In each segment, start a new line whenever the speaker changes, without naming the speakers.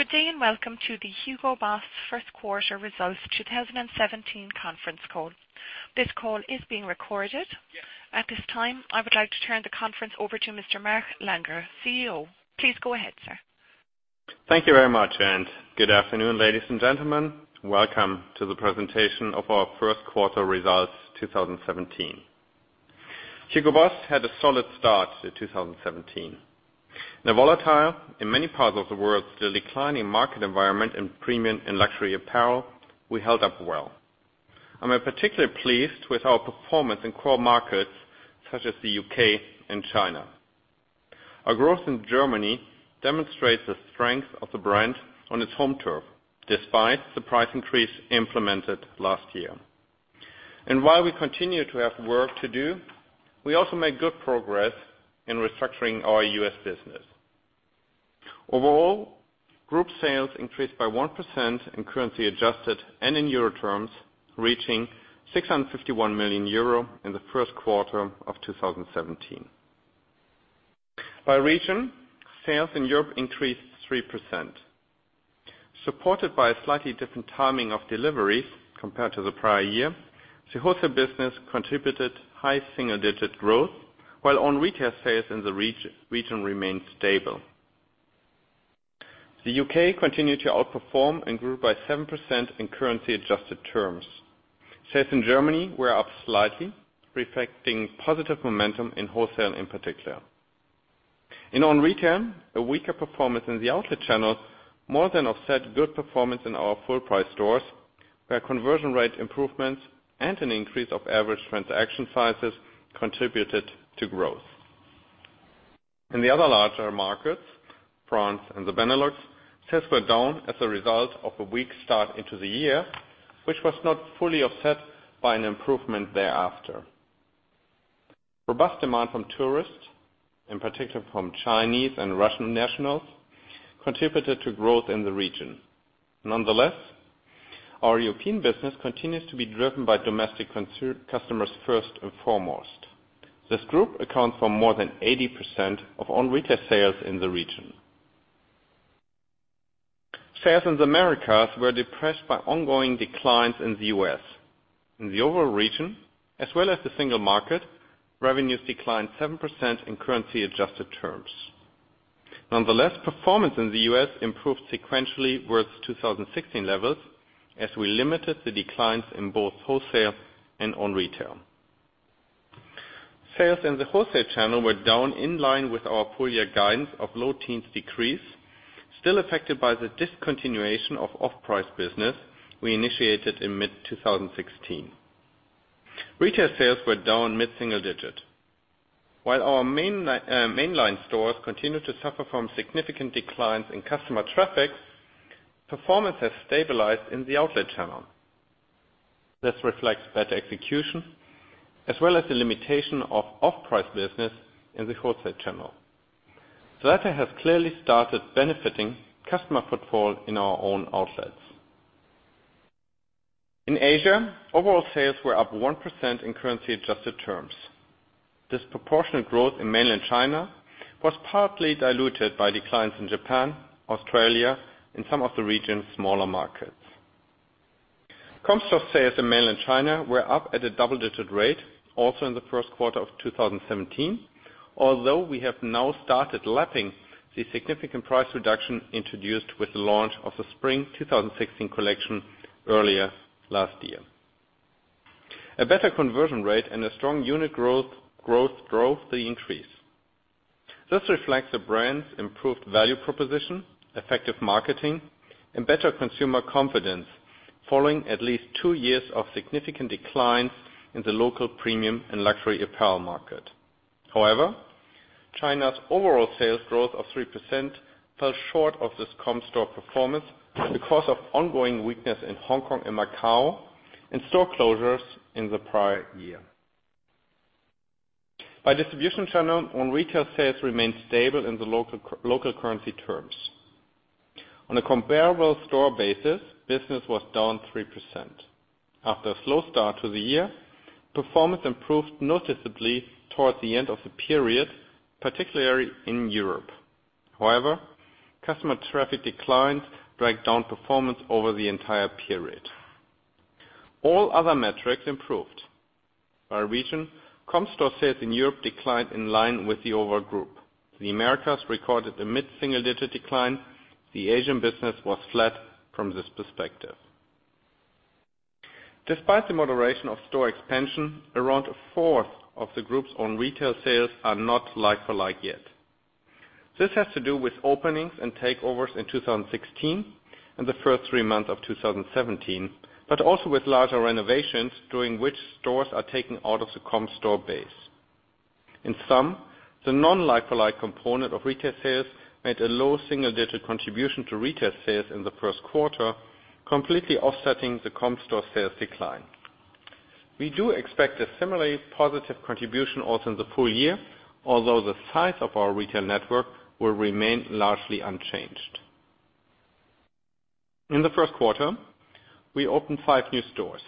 Good day, and welcome to the Hugo Boss first quarter results 2017 conference call. This call is being recorded. At this time, I would like to turn the conference over to Mr. Mark Langer, CEO. Please go ahead, sir.
Thank you very much. Good afternoon, ladies and gentlemen. Welcome to the presentation of our first quarter results 2017. Hugo Boss had a solid start to 2017. In a volatile, in many parts of the world, still declining market environment in premium and luxury apparel, we held up well. I'm particularly pleased with our performance in core markets such as the U.K. and China. Our growth in Germany demonstrates the strength of the brand on its home turf, despite the price increase implemented last year. While we continue to have work to do, we also make good progress in restructuring our U.S. business. Overall, group sales increased by 1% in currency adjusted and in euro terms, reaching 651 million euro in the first quarter of 2017. By region, sales in Europe increased 3%. Supported by a slightly different timing of deliveries compared to the prior year, the wholesale business contributed high single-digit growth, while own retail sales in the region remained stable. The U.K. continued to outperform and grew by 7% in currency-adjusted terms. Sales in Germany were up slightly, reflecting positive momentum in wholesale in particular. In own retail, a weaker performance in the outlet channels more than offset good performance in our full price stores, where conversion rate improvements and an increase of average transaction sizes contributed to growth. In the other larger markets, France and the Benelux, sales were down as a result of a weak start into the year, which was not fully offset by an improvement thereafter. Robust demand from tourists, in particular from Chinese and Russian nationals, contributed to growth in the region. Nonetheless, our European business continues to be driven by domestic customers first and foremost. This group accounts for more than 80% of own retail sales in the region. Sales in the Americas were depressed by ongoing declines in the U.S. In the overall region, as well as the single market, revenues declined 7% in currency-adjusted terms. Nonetheless, performance in the U.S. improved sequentially versus 2016 levels, as we limited the declines in both wholesale and own retail. Sales in the wholesale channel were down in line with our full year guidance of low teens decrease, still affected by the discontinuation of off-price business we initiated in mid-2016. Retail sales were down mid-single digit. While our mainline stores continued to suffer from significant declines in customer traffic, performance has stabilized in the outlet channel. This reflects better execution, as well as the limitation of off-price business in the wholesale channel. The latter has clearly started benefiting customer footfall in our own outlets. In Asia, overall sales were up 1% in currency-adjusted terms. Disproportionate growth in mainland China was partly diluted by declines in Japan, Australia, and some of the region's smaller markets. Comp store sales in mainland China were up at a double-digit rate also in the first quarter of 2017, although we have now started lapping the significant price reduction introduced with the launch of the spring 2016 collection earlier last year. A better conversion rate and a strong unit growth drove the increase. This reflects the brand's improved value proposition, effective marketing, and better consumer confidence following at least two years of significant declines in the local premium and luxury apparel market. China's overall sales growth of 3% fell short of this comp store performance because of ongoing weakness in Hong Kong and Macau and store closures in the prior year. By distribution channel, own retail sales remained stable in the local currency terms. On a comparable store basis, business was down 3%. After a slow start to the year, performance improved noticeably towards the end of the period, particularly in Europe. Customer traffic declines dragged down performance over the entire period. All other metrics improved. By region, comp store sales in Europe declined in line with the overall group. The Americas recorded a mid-single digit decline. The Asian business was flat from this perspective. Despite the moderation of store expansion, around a fourth of the group's own retail sales are not like-for-like yet. This has to do with openings and takeovers in 2016 and the first three months of 2017, but also with larger renovations during which stores are taken out of the comp store base. In sum, the non-like-for-like component of retail sales made a low single-digit contribution to retail sales in the first quarter, completely offsetting the comp store sales decline. We do expect a similarly positive contribution also in the full year, although the size of our retail network will remain largely unchanged. In the first quarter, we opened five new stores,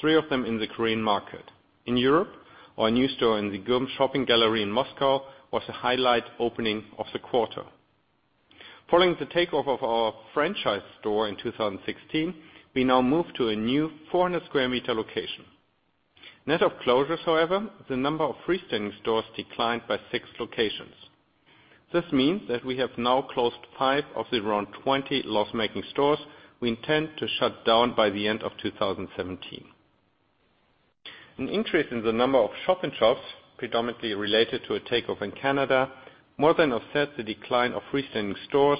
three of them in the Korean market. In Europe, our new store in the GUM Shopping Gallery in Moscow was the highlight opening of the quarter. Following the takeoff of our franchise store in 2016, we now move to a new 400 sq m location. Net of closures, the number of freestanding stores declined by six locations. This means that we have now closed five of the around 20 loss-making stores we intend to shut down by the end of 2017. An increase in the number of shop-in-shops, predominantly related to a takeover in Canada, more than offset the decline of freestanding stores,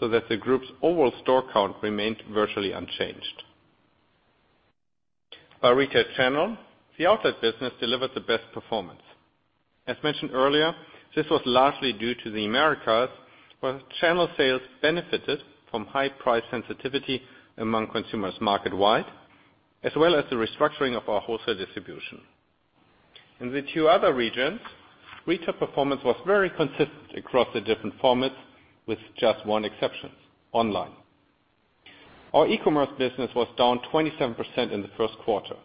the group's overall store count remained virtually unchanged. By retail channel, the outlet business delivered the best performance. As mentioned earlier, this was largely due to the Americas, where channel sales benefited from high price sensitivity among consumers market-wide, as well as the restructuring of our wholesale distribution. In the two other regions, retail performance was very consistent across the different formats, with just one exception: online. Our e-commerce business was down 27% in the first quarter,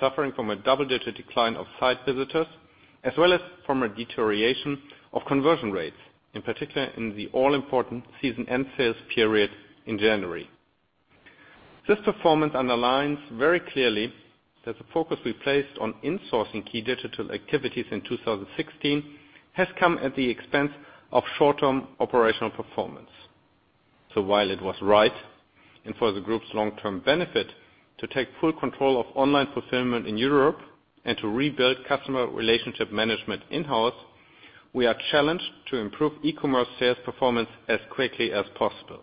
suffering from a double-digit decline of site visitors, as well as from a deterioration of conversion rates, in particular in the all-important season end sales period in January. This performance underlines very clearly that the focus we placed on insourcing key digital activities in 2016 has come at the expense of short-term operational performance. While it was right, and for the group's long-term benefit, to take full control of online fulfillment in Europe and to rebuild customer relationship management in-house, we are challenged to improve e-commerce sales performance as quickly as possible.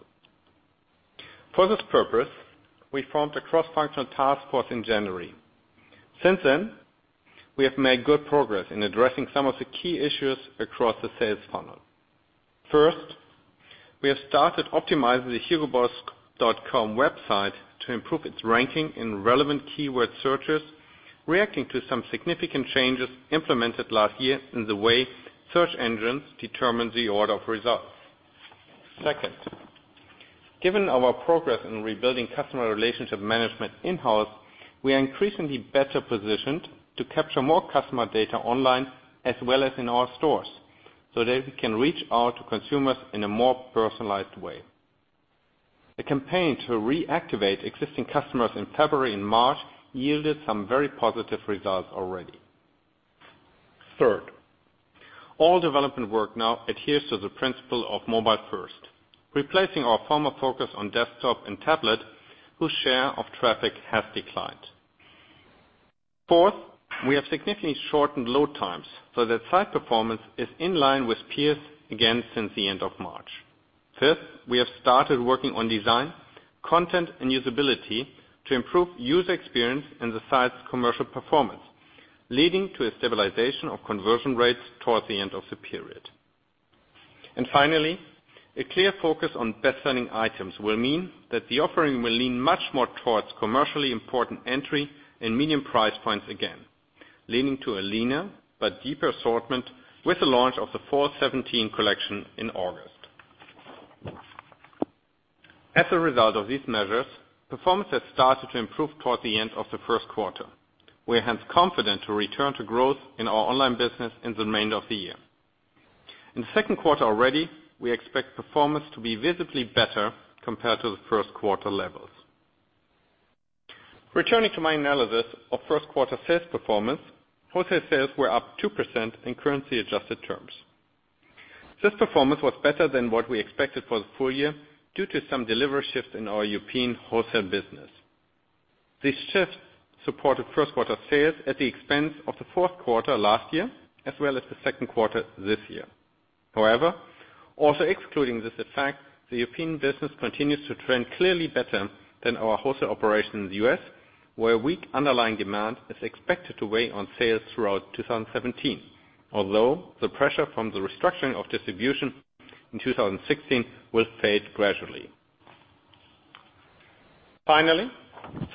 For this purpose, we formed a cross-functional task force in January. Since then, we have made good progress in addressing some of the key issues across the sales funnel. First, we have started optimizing the hugoboss.com website to improve its ranking in relevant keyword searches, reacting to some significant changes implemented last year in the way search engines determine the order of results. Second, given our progress in rebuilding customer relationship management in-house, we are increasingly better positioned to capture more customer data online as well as in our stores, so that we can reach out to consumers in a more personalized way. A campaign to reactivate existing customers in February and March yielded some very positive results already. Third, all development work now adheres to the principle of mobile first, replacing our former focus on desktop and tablet, whose share of traffic has declined. Fourth, we have significantly shortened load times so that site performance is in line with peers again since the end of March. Fifth, we have started working on design, content, and usability to improve user experience and the site's commercial performance, leading to a stabilization of conversion rates towards the end of the period. Finally, a clear focus on best-selling items will mean that the offering will lean much more towards commercially important entry and medium price points again, leading to a leaner but deeper assortment with the launch of the Fall 2017 collection in August. As a result of these measures, performance has started to improve towards the end of the first quarter. We are hence confident to return to growth in our online business in the remainder of the year. In the second quarter already, we expect performance to be visibly better compared to the first quarter levels. Returning to my analysis of first quarter sales performance, wholesale sales were up 2% in currency adjusted terms. This performance was better than what we expected for the full year due to some delivery shifts in our European wholesale business. This shift supported first quarter sales at the expense of the fourth quarter last year, as well as the second quarter this year. However, also excluding this effect, the European business continues to trend clearly better than our wholesale operation in the U.S., where weak underlying demand is expected to weigh on sales throughout 2017, although the pressure from the restructuring of distribution in 2016 will fade gradually. Finally,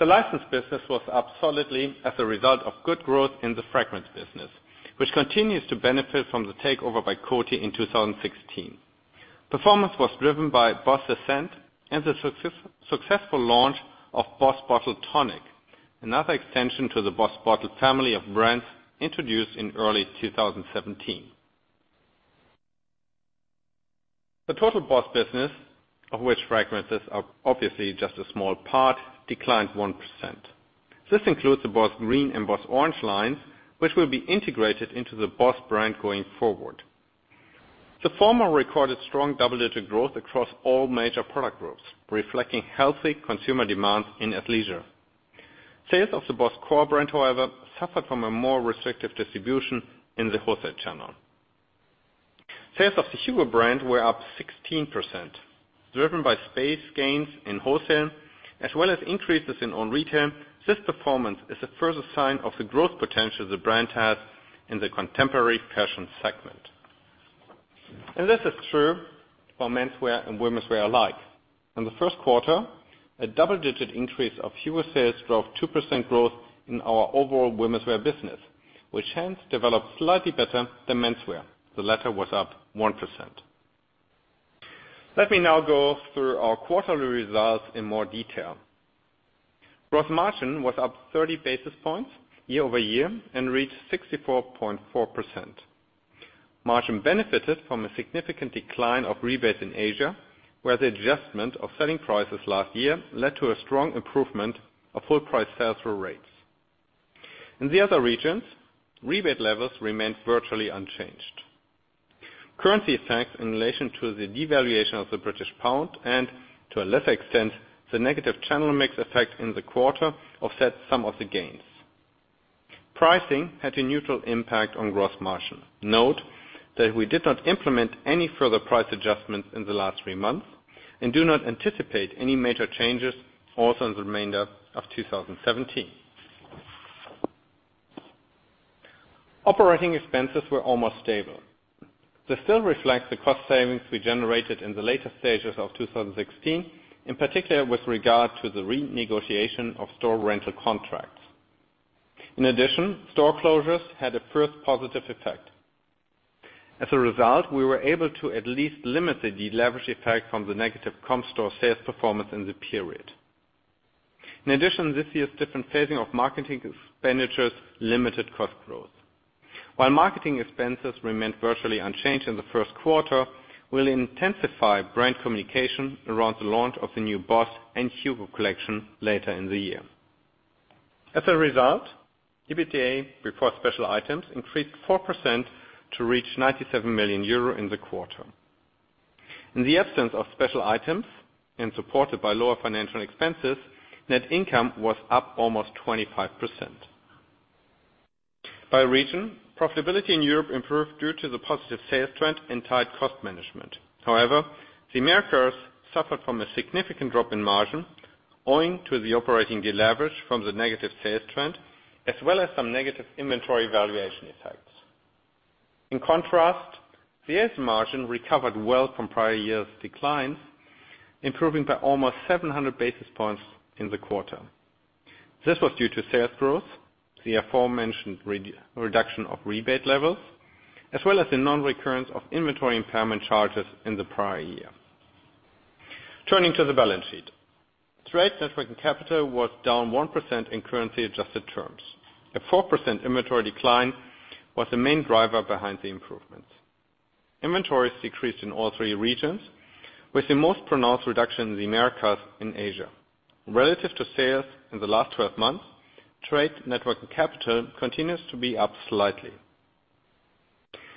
the license business was up solidly as a result of good growth in the fragrance business, which continues to benefit from the takeover by Coty in 2016. Performance was driven by BOSS The Scent and the successful launch of BOSS Bottled Tonic, another extension to the BOSS Bottled family of brands introduced in early 2017. The total BOSS business, of which fragrances are obviously just a small part, declined 1%. This includes the BOSS Green and BOSS Orange lines, which will be integrated into the BOSS brand going forward. The former recorded strong double-digit growth across all major product groups, reflecting healthy consumer demand in athleisure. Sales of the BOSS core brand, however, suffered from a more restrictive distribution in the wholesale channel. Sales of the HUGO brand were up 16%, driven by space gains in wholesale as well as increases in own retail. This performance is a further sign of the growth potential the brand has in the contemporary fashion segment. This is true for menswear and womenswear alike. In the first quarter, a double-digit increase of HUGO sales drove 2% growth in our overall womenswear business. Hence developed slightly better than menswear. The latter was up 1%. Let me now go through our quarterly results in more detail. Gross margin was up 30 basis points year-over-year and reached 64.4%. Margin benefited from a significant decline of rebates in Asia, where the adjustment of selling prices last year led to a strong improvement of full price sales through rates. In the other regions, rebate levels remained virtually unchanged. Currency effects in relation to the devaluation of the British pound, and to a lesser extent, the negative channel mix effect in the quarter, offset some of the gains. Pricing had a neutral impact on gross margin. Note that we did not implement any further price adjustments in the last three months and do not anticipate any major changes also in the remainder of 2017. Operating expenses were almost stable. This still reflects the cost savings we generated in the later stages of 2016, in particular, with regard to the renegotiation of store rental contracts. In addition, store closures had a first positive effect. As a result, we were able to at least limit the deleverage effect from the negative comp store sales performance in the period. In addition, this year's different phasing of marketing expenditures limited cost growth. While marketing expenses remained virtually unchanged in the first quarter, we will intensify brand communication around the launch of the new BOSS and HUGO collection later in the year. As a result, EBITDA before special items increased 4% to reach 97 million euro in the quarter. In the absence of special items, and supported by lower financial expenses, net income was up almost 25%. By region, profitability in Europe improved due to the positive sales trend and tight cost management. The Americas suffered from a significant drop in margin owing to the operating deleverage from the negative sales trend, as well as some negative inventory valuation effects. In contrast, the AS margin recovered well from prior years declines, improving by almost 700 basis points in the quarter. This was due to sales growth, the aforementioned reduction of rebate levels, as well as the non-recurrence of inventory impairment charges in the prior year. Turning to the balance sheet. Trade network and capital was down 1% in currency adjusted terms. A 4% inventory decline was the main driver behind the improvement. Inventories decreased in all three regions, with the most pronounced reduction in the Americas and Asia. Relative to sales in the last 12 months, trade network and capital continues to be up slightly.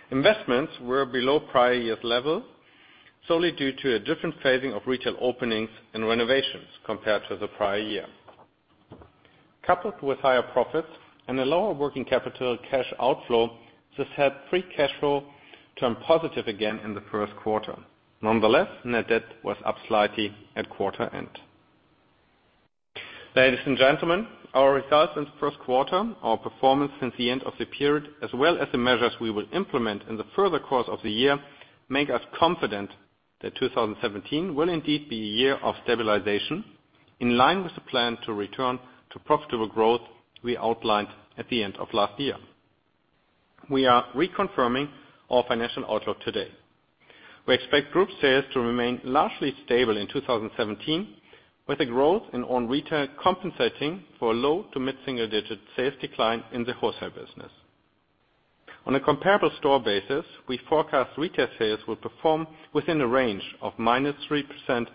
Investments were below prior year's level, solely due to a different phasing of retail openings and renovations compared to the prior year. Coupled with higher profits and a lower working capital cash outflow, this had free cash flow turn positive again in the first quarter. Nonetheless, net debt was up slightly at quarter end. Ladies and gentlemen, our results in the first quarter, our performance since the end of the period, as well as the measures we will implement in the further course of the year, make us confident that 2017 will indeed be a year of stabilization, in line with the plan to return to profitable growth we outlined at the end of last year. We are reconfirming our financial outlook today. We expect group sales to remain largely stable in 2017, with a growth in own retail compensating for a low to mid single digit sales decline in the wholesale business. On a comparable store basis, we forecast retail sales will perform within a range of -3%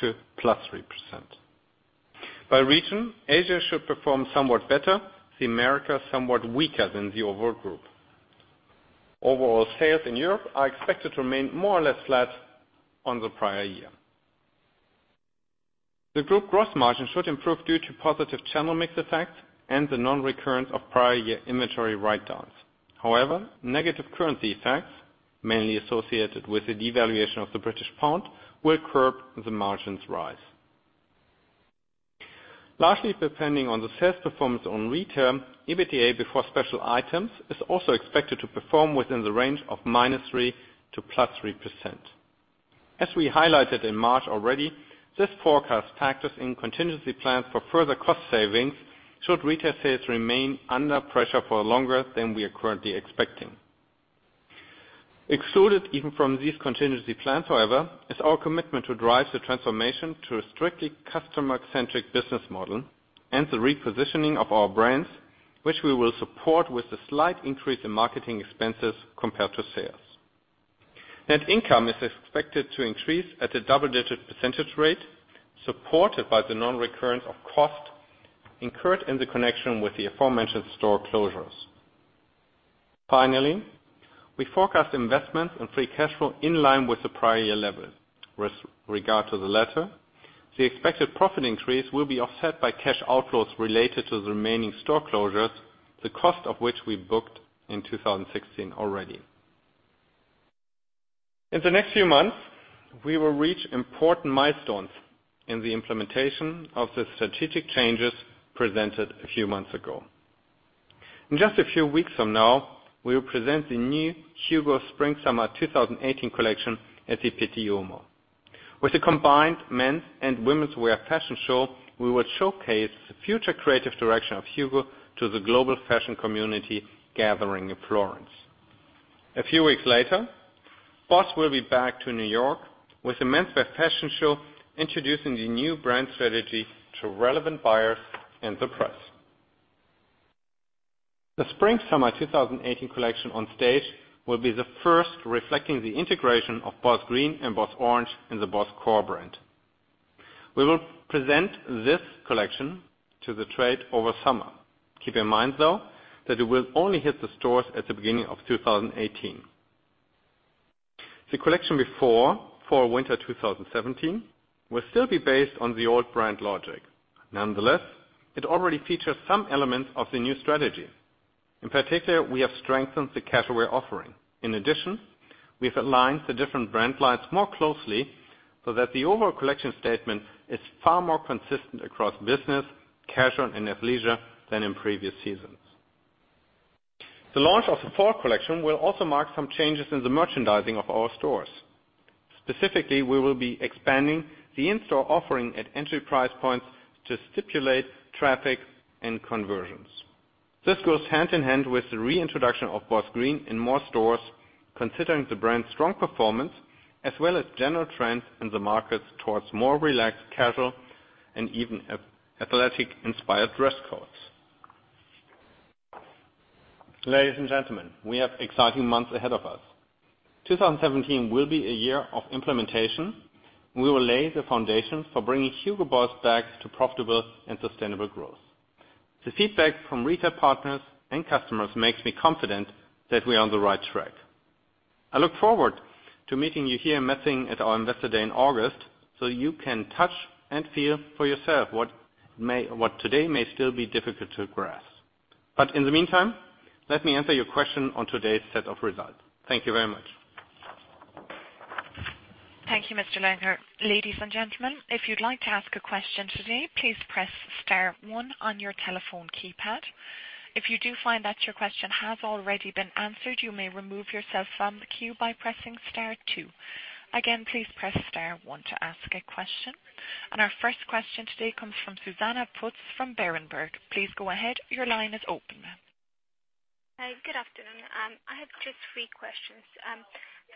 to +3%. By region, Asia should perform somewhat better, the Americas somewhat weaker than the overall group. Overall sales in Europe are expected to remain more or less flat on the prior year. The group gross margin should improve due to positive channel mix effects and the non-recurrence of prior year inventory write-downs. However, negative currency effects, mainly associated with the devaluation of the British pound, will curb the margin's rise. Lastly, depending on the sales performance on retail, EBITDA before special items is also expected to perform within the range of -3% to +3%. As we highlighted in March already, this forecast factors in contingency plans for further cost savings should retail sales remain under pressure for longer than we are currently expecting. Excluded even from these contingency plans, however, is our commitment to drive the transformation to a strictly customer-centric business model and the repositioning of our brands, which we will support with a slight increase in marketing expenses compared to sales. Net income is expected to increase at a double-digit percentage rate, supported by the non-recurrence of cost incurred in the connection with the aforementioned store closures. Finally, we forecast investments and free cash flow in line with the prior year level. With regard to the latter, the expected profit increase will be offset by cash outflows related to the remaining store closures, the cost of which we booked in 2016 already. In the next few months, we will reach important milestones in the implementation of the strategic changes presented a few months ago. In just a few weeks from now, we will present the new HUGO Spring Summer 2018 collection at Pitti Uomo. With the combined men's and women's wear fashion show, we will showcase the future creative direction of HUGO to the global fashion community gathering in Florence. A few weeks later, BOSS will be back to New York with a men's wear fashion show, introducing the new brand strategy to relevant buyers and the press. The Spring/Summer 2018 collection on stage will be the first reflecting the integration of BOSS Green and BOSS Orange in the BOSS core brand. We will present this collection to the trade over summer. Keep in mind, though, that it will only hit the stores at the beginning of 2018. The collection before, Fall/Winter 2017, will still be based on the old brand logic. Nonetheless, it already features some elements of the new strategy. In particular, we have strengthened the casual wear offering. In addition, we've aligned the different brand lines more closely so that the overall collection statement is far more consistent across business, casual, and athleisure than in previous seasons. The launch of the fall collection will also mark some changes in the merchandising of our stores. Specifically, we will be expanding the in-store offering at entry price points to stipulate traffic and conversions. This goes hand in hand with the reintroduction of BOSS Green in more stores, considering the brand's strong performance as well as general trends in the markets towards more relaxed, casual, and even athletic-inspired dress codes. Ladies and gentlemen, we have exciting months ahead of us. 2017 will be a year of implementation. We will lay the foundation for bringing Hugo Boss back to profitable and sustainable growth. The feedback from retail partners and customers makes me confident that we are on the right track. I look forward to meeting you here in Metzingen at our Investor Day in August, so you can touch and feel for yourself what today may still be difficult to grasp. In the meantime, let me answer your question on today's set of results. Thank you very much.
Thank you, Mr. Langer. Ladies and gentlemen, if you'd like to ask a question today, please press star one on your telephone keypad. If you do find that your question has already been answered, you may remove yourself from the queue by pressing star two. Again, please press star one to ask a question. And our first question today comes from Susanna Putz from Berenberg. Please go ahead. Your line is open now.
Good afternoon. I have just three questions.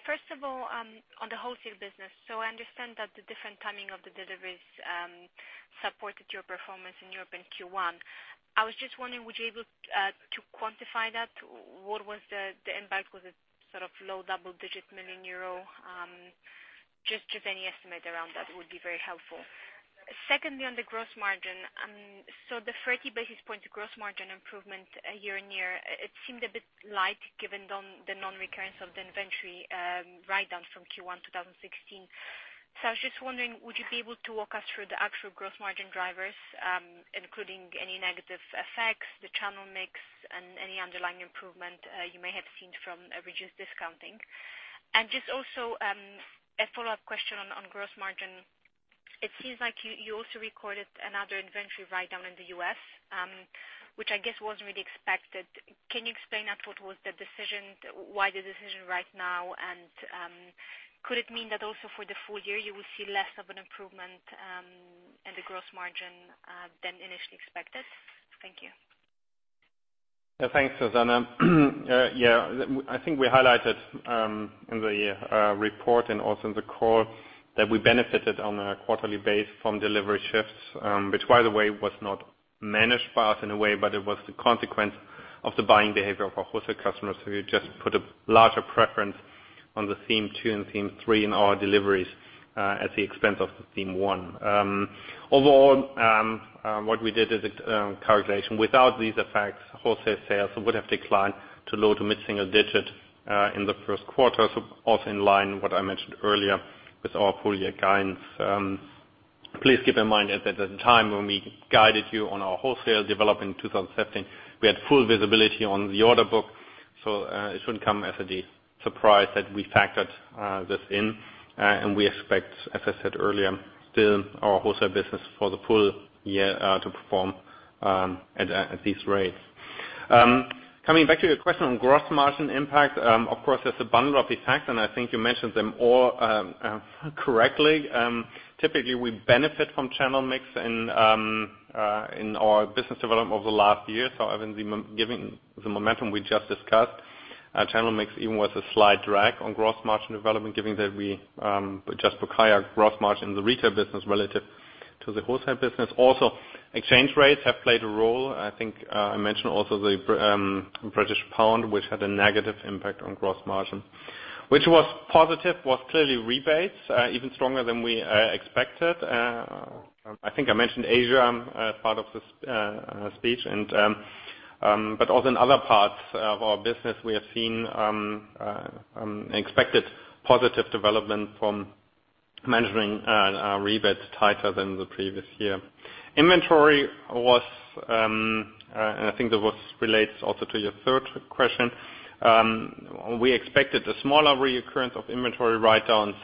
First of all, on the wholesale business. So I understand that the different timing of the deliveries supported your performance in Europe in Q1. I was just wondering, would you be able to quantify that? What was the impact? Was it low double-digit million EUR? Just any estimate around that would be very helpful. Secondly, on the gross margin. So the 30 basis point gross margin improvement year-on-year, it seemed a bit light given the non-recurrence of the inventory write-down from Q1 2016. So I was just wondering, would you be able to walk us through the actual gross margin drivers, including any negative effects, the channel mix, and any underlying improvement you may have seen from a reduced discounting? And just also, a follow-up question on gross margin. It seems like you also recorded another inventory write-down in the U.S., which I guess wasn't really expected. Can you explain that? What was the decision? Why the decision right now? Could it mean that also for the full year, you will see less of an improvement in the gross margin than initially expected? Thank you.
Thanks, Susanna. I think we highlighted in the report and also in the call that we benefited on a quarterly base from delivery shifts. Which by the way, was not managed by us in a way, but it was the consequence of the buying behavior of our wholesale customers, who just put a larger preference on the theme 2 and theme 3 in our deliveries, at the expense of the theme 1. Overall, what we did is a calculation. Without these effects, wholesale sales would have declined to low to mid-single-digit, in the first quarter. Also in line what I mentioned earlier with our full year guidance. Please keep in mind that at the time when we guided you on our wholesale development in 2017, we had full visibility on the order book. It shouldn't come as a surprise that we factored this in. We expect, as I said earlier, still our wholesale business for the full year to perform at these rates. Coming back to your question on gross margin impact. Of course, there's a bundle of effects. I think you mentioned them all correctly. Typically, we benefit from channel mix in our business development over the last year. Given the momentum we just discussed, channel mix even was a slight drag on gross margin development, given that we just book higher gross margin in the retail business relative to the wholesale business. Exchange rates have played a role. I think I mentioned also the British pound, which had a negative impact on gross margin. Which was positive was clearly rebates, even stronger than we expected. I think I mentioned Asia as part of this speech. Also in other parts of our business, we have seen expected positive development from managing rebates tighter than the previous year. Inventory was. I think this relates also to your third question. We expected a smaller reoccurrence of inventory write-downs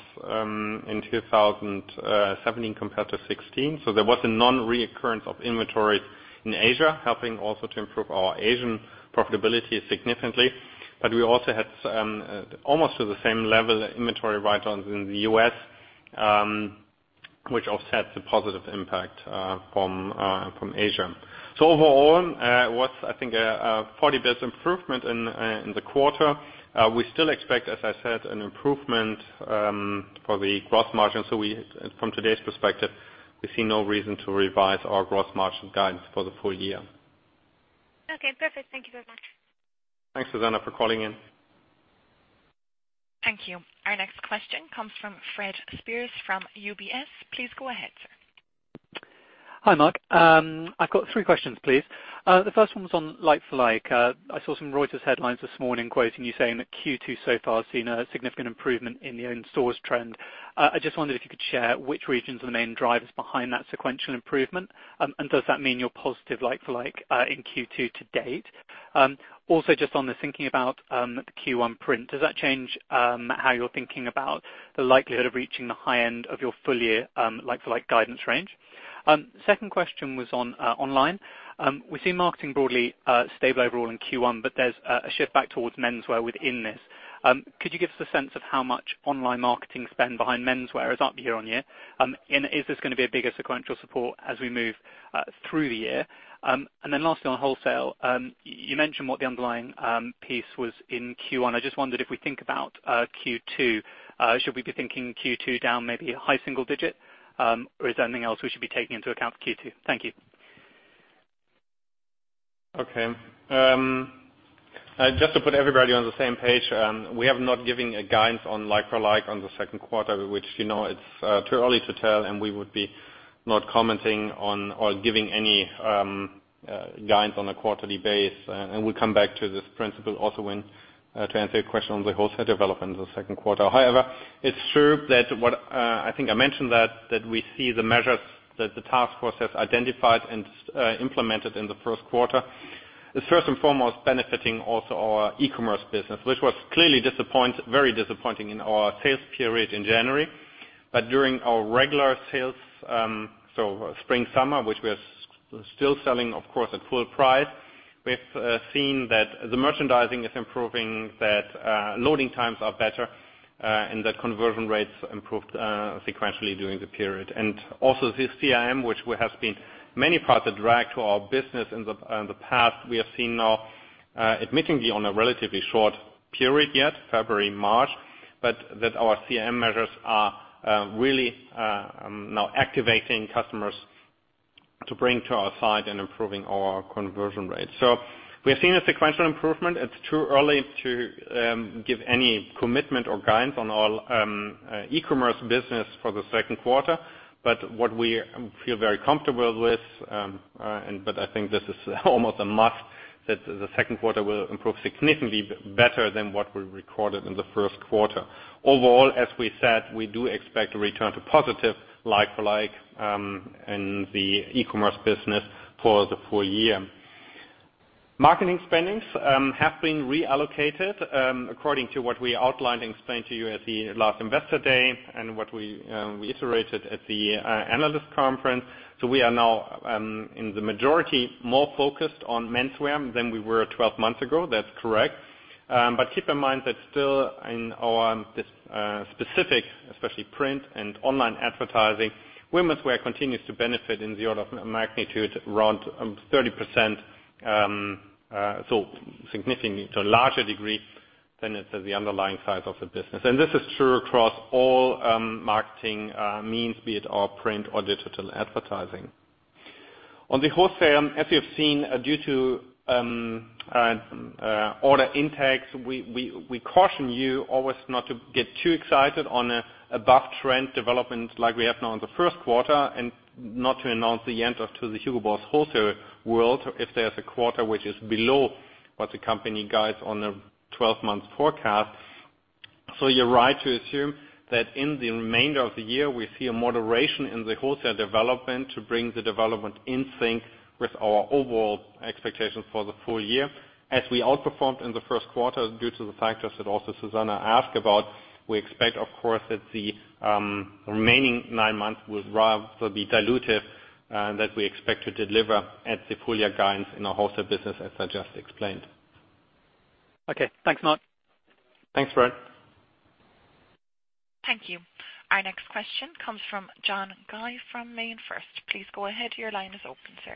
in 2017 compared to 2016. There was a non-reoccurrence of inventory in Asia, helping also to improve our Asian profitability significantly. But we also had almost to the same level inventory write-downs in the U.S., which offsets the positive impact from Asia. Overall, what I think a 40 basis improvement in the quarter. We still expect, as I said, an improvement for the gross margin. From today's perspective, we see no reason to revise our gross margin guidance for the full year.
Okay, perfect. Thank you very much.
Thanks, Susanna, for calling in.
Thank you. Our next question comes from Fred Speirs from UBS. Please go ahead, sir.
Hi, Mark. I've got three questions, please. The first one was on like-for-like. I saw some Reuters headlines this morning quoting you saying that Q2 so far has seen a significant improvement in the in-stores trend. I just wondered if you could share which regions are the main drivers behind that sequential improvement, and does that mean you're positive like-for-like in Q2 to date? Also, just on the thinking about the Q1 print, does that change how you're thinking about the likelihood of reaching the high end of your full-year like-for-like guidance range? Second question was on online. We've seen marketing broadly stable overall in Q1, but there's a shift back towards menswear within this. Could you give us a sense of how much online marketing spend behind menswear is up year-on-year? Is this going to be a bigger sequential support as we move through the year? Lastly, on wholesale, you mentioned what the underlying piece was in Q1. I just wondered if we think about Q2, should we be thinking Q2 down maybe a high single digit? Is there anything else we should be taking into account for Q2? Thank you.
Okay. Just to put everybody on the same page, we have not given a guidance on like-for-like on the second quarter, which it's too early to tell, and we would be not commenting on or giving any guidance on a quarterly basis. We come back to this principle also when to answer your question on the wholesale development in the second quarter. However, it's true that what I think I mentioned that we see the measures that the task force has identified and implemented in the first quarter is first and foremost benefiting also our e-commerce business, which was clearly very disappointing in our sales period in January. During our regular sales, so spring/summer, which we are still selling, of course, at full price. We've seen that the merchandising is improving, that loading times are better, and that conversion rates improved sequentially during the period. Also this CRM, which has been many parts a drag to our business in the past, we have seen now, admittedly on a relatively short period yet, February, March, but that our CRM measures are really now activating customers to bring to our side and improving our conversion rate. We have seen a sequential improvement. It's too early to give any commitment or guidance on our e-commerce business for the second quarter. What we feel very comfortable with, but I think this is almost a must, that the second quarter will improve significantly better than what we recorded in the first quarter. Overall, as we said, we do expect a return to positive like-for-like in the e-commerce business for the full-year. Marketing spendings have been reallocated according to what we outlined and explained to you at the last Investor Day and what we reiterated at the analyst conference. We are now, in the majority, more focused on menswear than we were 12 months ago. That's correct. But keep in mind that still in our specific, especially print and online advertising, womenswear continues to benefit in the order of magnitude around 30%, so significantly to a larger degree than the underlying size of the business. This is true across all marketing means, be it our print or digital advertising. On the wholesale, as you have seen, due to order intakes, we caution you always not to get too excited on above-trend development like we have now in the first quarter, and not to announce the end of to the Hugo Boss wholesale world if there's a quarter which is below what the company guides on a 12-month forecast. You're right to assume that in the remainder of the year, we see a moderation in the wholesale development to bring the development in sync with our overall expectations for the full year. We outperformed in the first quarter due to the factors that also Susanna asked about, we expect, of course, that the remaining nine months will rather be dilutive, that we expect to deliver at the full year guidance in our wholesale business, as I just explained.
Okay, thanks, Mark.
Thanks, Fred.
Thank you. Our next question comes from John Guy from MainFirst. Please go ahead. Your line is open, sir.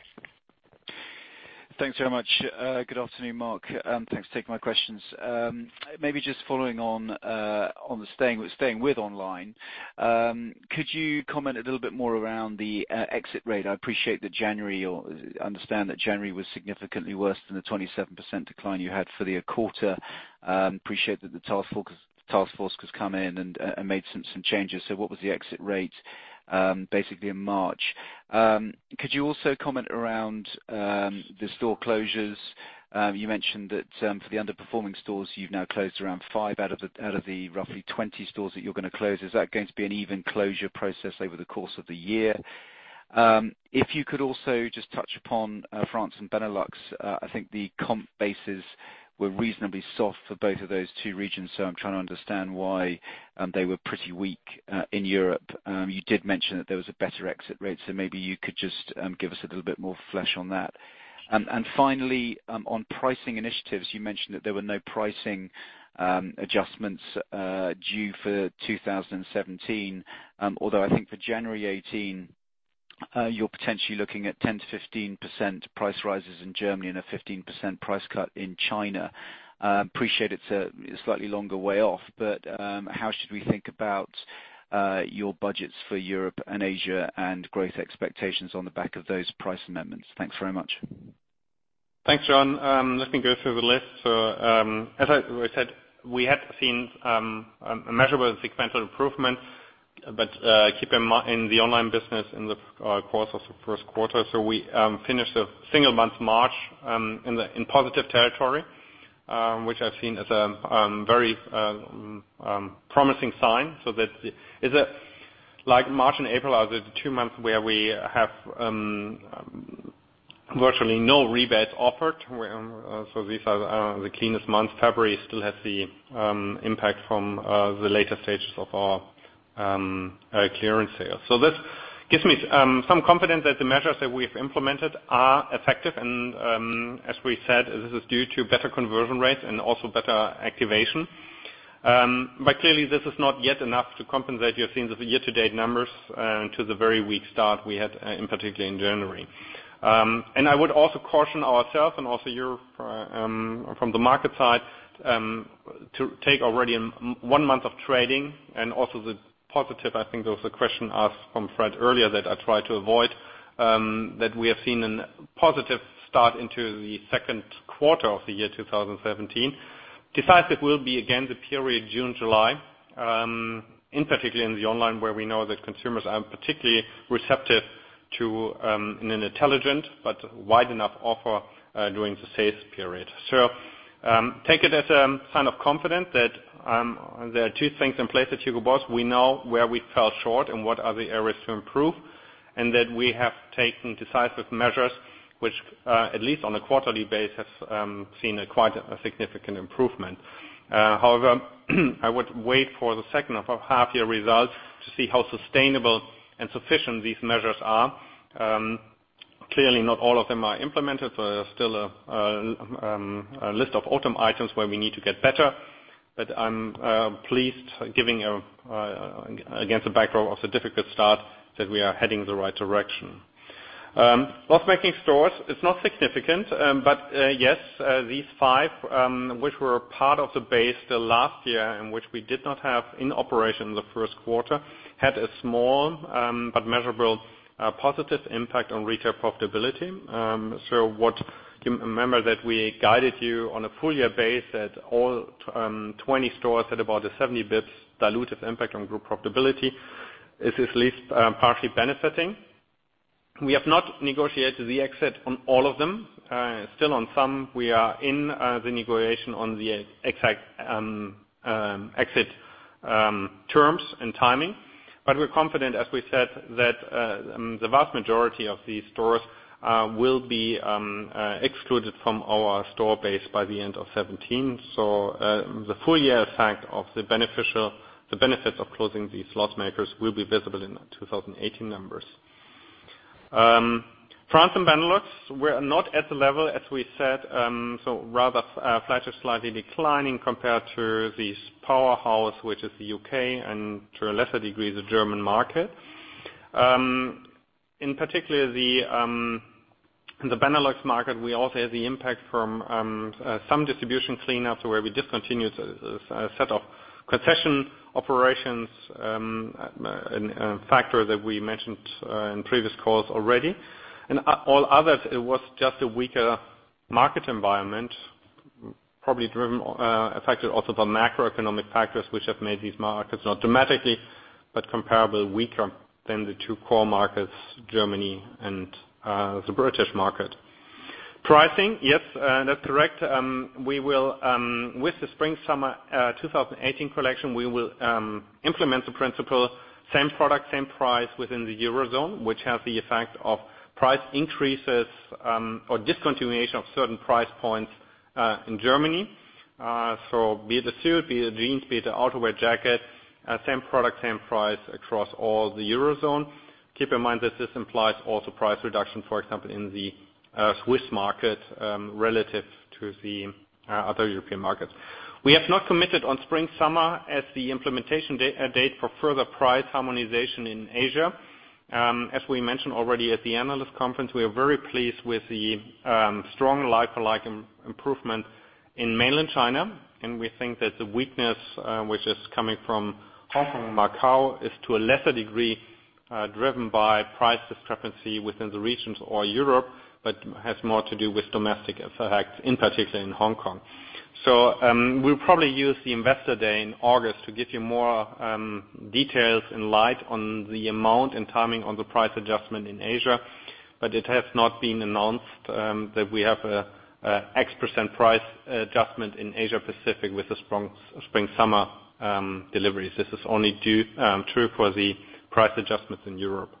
Thanks very much. Good afternoon, Mark. Thanks for taking my questions. Maybe just following on with staying with online, could you comment a little bit more around the exit rate? I understand that January was significantly worse than the 27% decline you had for the quarter. Appreciate that the task force has come in and made some changes. What was the exit rate basically in March? Could you also comment around the store closures? You mentioned that for the underperforming stores, you have now closed around five out of the roughly 20 stores that you are going to close. Is that going to be an even closure process over the course of the year? If you could also just touch upon France and Benelux. I think the comp bases were reasonably soft for both of those two regions, so I am trying to understand why they were pretty weak in Europe. You did mention that there was a better exit rate, maybe you could just give us a little bit more flesh on that. Finally, on pricing initiatives, you mentioned that there were no pricing adjustments due for 2017. Although I think for January 2018, you are potentially looking at 10%-15% price rises in Germany and a 15% price cut in China. Appreciate it is a slightly longer way off, how should we think about your budgets for Europe and Asia and growth expectations on the back of those price amendments? Thanks very much.
Thanks, John. Let me go through the list. As I said, we have seen a measurable sequential improvement, keep in mind the online business in the course of the first quarter. We finished the single month March in positive territory, which I have seen as a very promising sign. That is that March and April are the two months where we have virtually no rebates offered. These are the cleanest months. February still has the impact from the later stages of our clearance sale. This gives me some confidence that the measures that we have implemented are effective. As we said, this is due to better conversion rates and also better activation. Clearly this is not yet enough to compensate. You have seen the year-to-date numbers to the very weak start we had, in particular in January. I would also caution ourselves and also you from the market side, to take already one month of trading and also the positive, I think there was a question asked from Fred earlier that I tried to avoid, that we have seen a positive start into the second quarter of the year 2017. Decisive will be again the period June, July, in particular in the online, where we know that consumers are particularly receptive to an intelligent but wide enough offer, during the sales period. Take it as a sign of confidence that there are two things in place at Hugo Boss. We know where we fell short and what are the areas to improve, and that we have taken decisive measures, which at least on a quarterly basis, have seen a quite significant improvement. I would wait for the second of our half-year results to see how sustainable and sufficient these measures are. Clearly, not all of them are implemented. There are still a list of autumn items where we need to get better. I am pleased giving against the backdrop of the difficult start, that we are heading the right direction. Loss-making stores, it is not significant, but yes, these five, which were part of the base the last year and which we did not have in operation in the first quarter, had a small but measurable positive impact on retail profitability. Remember that we guided you on a full-year basis at all 20 stores at about a 70 basis points dilutive impact on group profitability. This is at least partially benefiting. We have not negotiated the exit on all of them. Still on some we are in the negotiation on the exact exit terms and timing. We are confident, as we said, that the vast majority of these stores will be excluded from our store base by the end of 2017. The full year effect of the benefits of closing these loss makers will be visible in the 2018 numbers. France and Benelux, we are not at the level as we said. Rather, flat to slightly declining compared to these powerhouse, which is the U.K. and to a lesser degree, the German market. In particular the Benelux market, we also have the impact from some distribution cleanups where we discontinued a set of concession operations, and a factor that we mentioned in previous calls already. All others, it was just a weaker market environment, probably affected also by macroeconomic factors, which have made these markets not dramatically, but comparable weaker than the two core markets, Germany and the British market. Pricing. Yes, that is correct. With the spring-summer 2018 collection, we will implement the principle, same product, same price within the eurozone, which has the effect of price increases or discontinuation of certain price points in Germany. Be it a suit, be it jeans, be it outerwear jacket, same product, same price across all the eurozone. Keep in mind that this implies also price reduction, for example, in the Swiss market, relative to the other European markets. We have not committed on spring-summer as the implementation date for further price harmonization in Asia. As we mentioned already at the analyst conference, we are very pleased with the strong like-for-like improvement in mainland China. We think that the weakness which is coming from Hong Kong and Macau is to a lesser degree, driven by price discrepancy within the regions or Europe, but has more to do with domestic effects, in particular in Hong Kong. We'll probably use the Investor Day in August to give you more details in light on the amount and timing on the price adjustment in Asia. It has not been announced that we have a X% price adjustment in Asia Pacific with the spring-summer deliveries. This is only true for the price adjustments in Europe.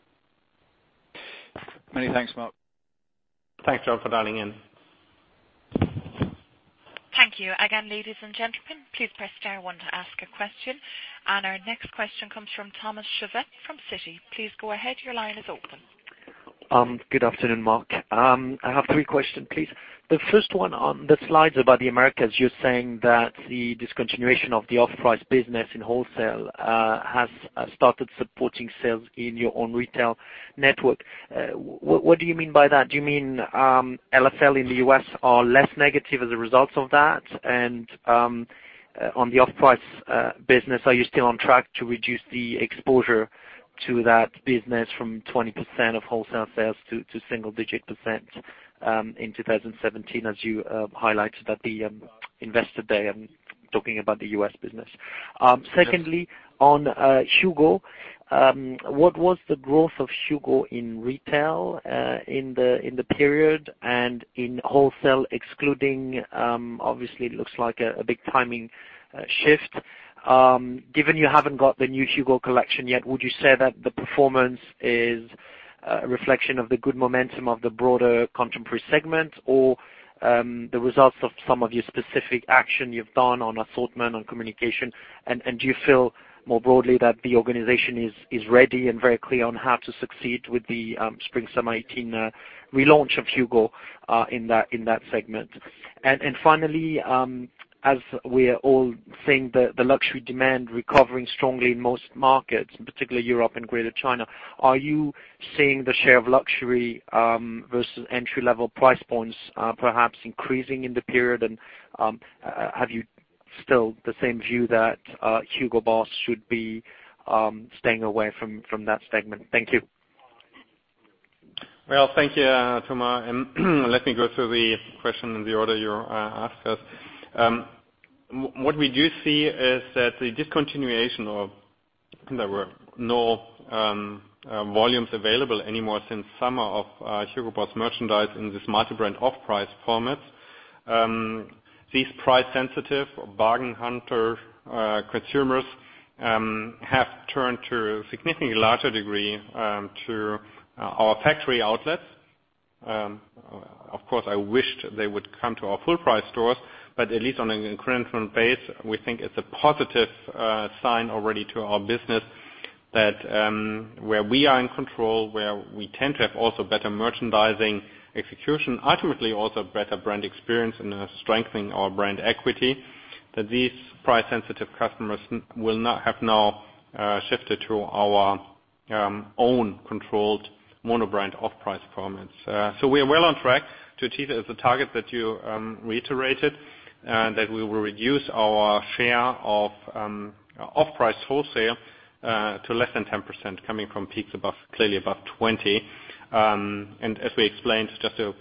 Many thanks, Mark.
Thanks, John, for dialing in.
Thank you. Again, ladies and gentlemen, please press star one to ask a question. Our next question comes from Thomas Chauvet from Citi. Please go ahead. Your line is open.
Good afternoon, Mark. I have three questions, please. The first one on the slides about the Americas, you're saying that the discontinuation of the off-price business in wholesale has started supporting sales in your own retail network. What do you mean by that? Do you mean LFL in the U.S. are less negative as a result of that? On the off-price business, are you still on track to reduce the exposure to that business from 20% of wholesale sales to single-digit %, in 2017, as you highlighted at the Investor Day? I'm talking about the U.S. business. Secondly, on HUGO, what was the growth of HUGO in retail, in the period and in wholesale excluding, obviously it looks like a big timing shift. Given you haven't got the new HUGO collection yet, would you say that the performance is a reflection of the good momentum of the broader contemporary segment or, the results of some of your specific action you've done on assortment on communication? Do you feel more broadly that the organization is ready and very clear on how to succeed with the Spring/Summer 2018 relaunch of HUGO, in that segment? Finally, as we are all seeing the luxury demand recovering strongly in most markets, particularly Europe and Greater China, are you seeing the share of luxury, versus entry-level price points perhaps increasing in the period? Have you still the same view that Hugo Boss should be staying away from that segment? Thank you.
Well, thank you, Thomas. Let me go through the question in the order you asked us. What we do see is that the discontinuation of there were no volumes available anymore since summer of Hugo Boss merchandise in this multi-brand off-price format. These price-sensitive bargain hunter consumers have turned to a significantly larger degree to our factory outlets. Of course, I wished they would come to our full-price stores, but at least on an incremental base, we think it's a positive sign already to our business that where we are in control, where we tend to have also better merchandising execution, ultimately also better brand experience and strengthening our brand equity, that these price-sensitive customers will have now shifted to our own controlled mono-brand off-price formats. We are well on track to achieve the target that you reiterated, that we will reduce our share of off-price wholesale to less than 10% coming from peaks clearly above 20. As we explained, just to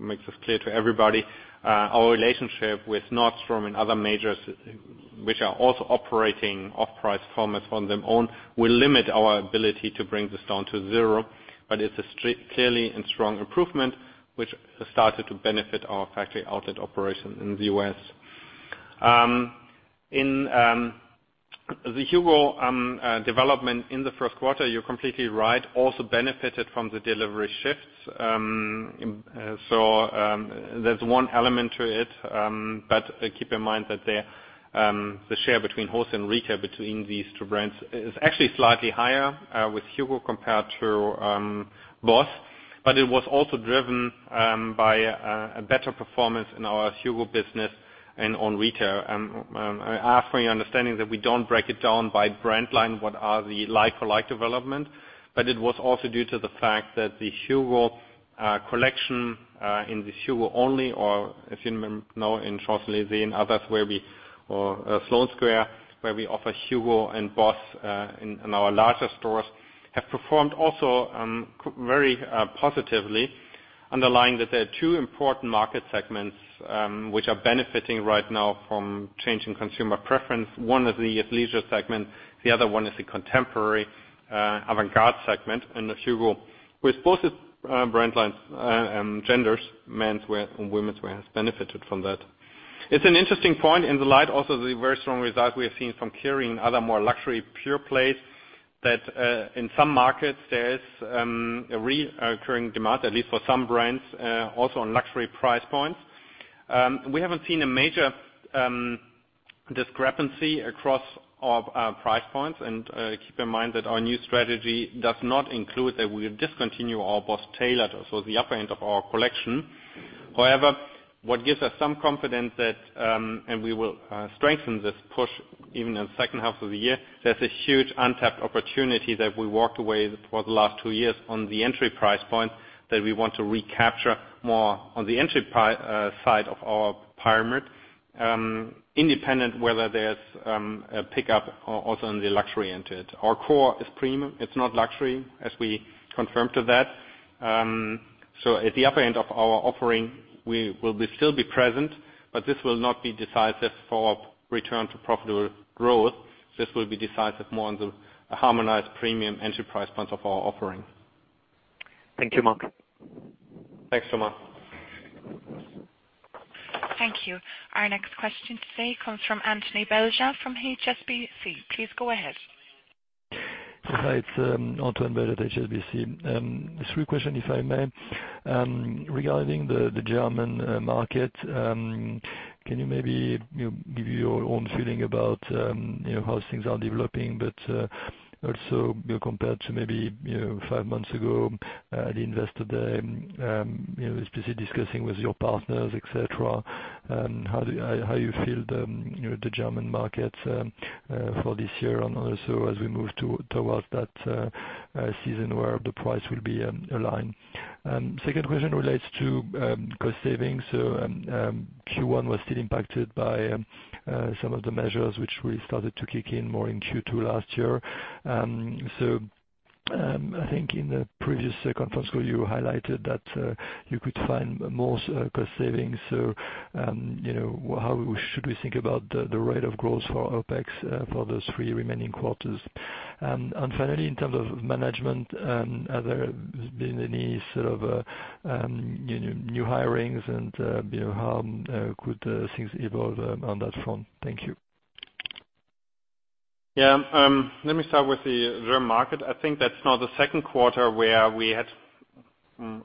make this clear to everybody, our relationship with Nordstrom and other majors which are also operating off-price formats on their own will limit our ability to bring this down to zero. It's a clearly and strong improvement which has started to benefit our factory outlet operation in the U.S. The HUGO development in the first quarter, you're completely right, also benefited from the delivery shifts. There's one element to it. Keep in mind that the share between wholesale and retail between these two brands is actually slightly higher, with HUGO compared to BOSS. It was also driven by a better performance in our HUGO business and on retail. Ask for your understanding that we don't break it down by brand line, what are the like-for-like development. It was also due to the fact that the HUGO collection in the HUGO only or if you know in Champs-Élysées and others where we or Sloane Square, where we offer HUGO and BOSS in our larger stores, have performed also very positively, underlying that there are two important market segments which are benefiting right now from changing consumer preference. One is the athleisure segment, the other one is the contemporary avant-garde segment in the HUGO, with both brand lines and genders, menswear and womenswear has benefited from that. It's an interesting point in the light also the very strong results we are seeing from Kering other more luxury pure plays that, in some markets there is a reoccurring demand, at least for some brands, also on luxury price points. We haven't seen a major discrepancy across our price points. Keep in mind that our new strategy does not include that we discontinue our BOSS Tailored, so the upper end of our collection. However, what gives us some confidence that, and we will strengthen this push even in the second half of the year, there's a huge untapped opportunity that we walked away for the last two years on the entry price point that we want to recapture more on the entry price side of our pyramid, independent whether there's a pickup also on the luxury end to it. Our core is premium. It's not luxury, as we confirmed to that. So at the upper end of our offering, we will still be present, but this will not be decisive for return to profitable growth. This will be decisive more on the harmonized premium entry price points of our offering.
Thank you, Mark.
Thanks, Thomas.
Thank you. Our next question today comes from Antoine Belge from HSBC. Please go ahead.
Hi, it's Antoine Belge at HSBC. Three question if I may. Regarding the German market, can you maybe give your own feeling about how things are developing, but also compared to maybe five months ago at Investor Day, especially discussing with your partners, et cetera, how you feel the German market for this year and also as we move towards that season where the price will be aligned. Second question relates to cost savings. Q1 was still impacted by some of the measures which really started to kick in more in Q2 last year. I think in the previous conference call, you highlighted that you could find more cost savings. How should we think about the rate of growth for OpEx for the three remaining quarters? And finally, in terms of management, have there been any sort of new hirings and how could things evolve on that front? Thank you.
Yeah. Let me start with the German market. I think that's now the second quarter where we had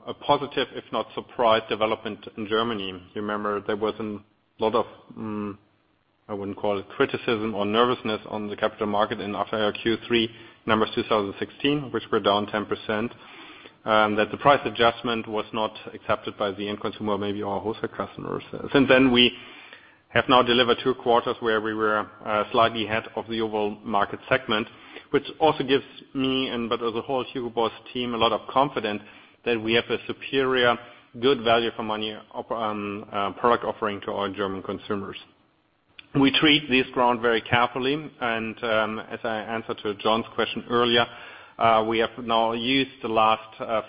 a positive, if not surprised, development in Germany. You remember there was a lot of, I wouldn't call it criticism or nervousness on the capital market and after our Q3 numbers 2016, which were down 10%, that the price adjustment was not accepted by the end consumer, maybe our wholesale customers. Since then we have now delivered two quarters where we were slightly ahead of the overall market segment, which also gives me and, but as a whole Hugo Boss team, a lot of confidence that we have a superior, good value for money product offering to our German consumers. We treat this ground very carefully and, as I answered to John's question earlier, we have now used the last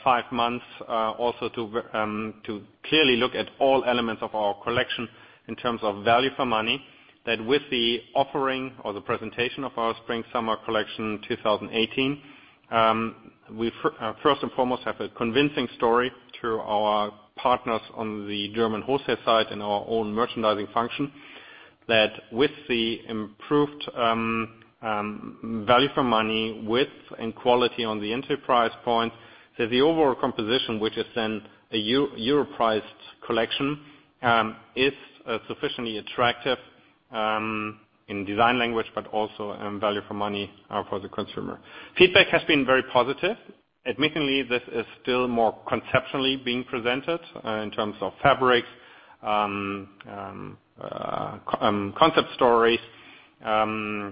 five months also to clearly look at all elements of our collection in terms of value for money. That with the offering or the presentation of our spring/summer collection 2018, we first and foremost have a convincing story through our partners on the German wholesale side and our own merchandising function that with the improved value for money, width, and quality on the enterprise point, that the overall composition, which is then a EUR-priced collection, is sufficiently attractive in design language, but also in value for money for the consumer. Feedback has been very positive. Admittedly, this is still more conceptually being presented in terms of fabrics, concept stories,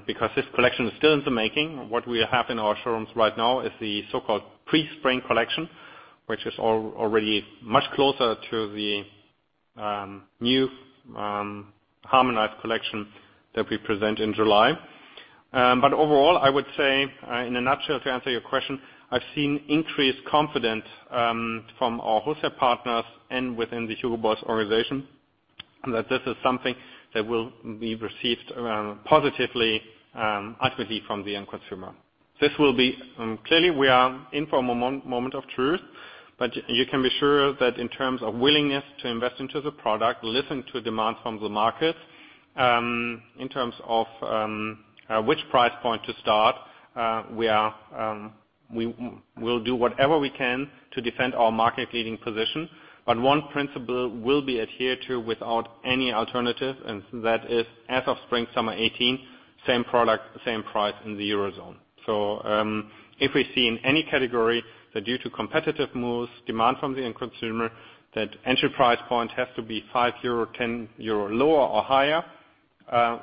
because this collection is still in the making. What we have in our showrooms right now is the so-called pre-spring collection, which is already much closer to the new harmonized collection that we present in July. Overall, I would say, in a nutshell, to answer your question, I've seen increased confidence from our wholesale partners and within the Hugo Boss organization that this is something that will be received positively, ultimately from the end consumer. Clearly we are in for a moment of truth, but you can be sure that in terms of willingness to invest into the product, listen to demand from the market, in terms of which price point to start, we'll do whatever we can to defend our market-leading position. One principle will be adhered to without any alternative, and that is as of spring/summer 2018, same product, same price in the Eurozone. If we see in any category that due to competitive moves, demand from the end consumer, that entry price point has to be 5 euro, 10 euro lower or higher,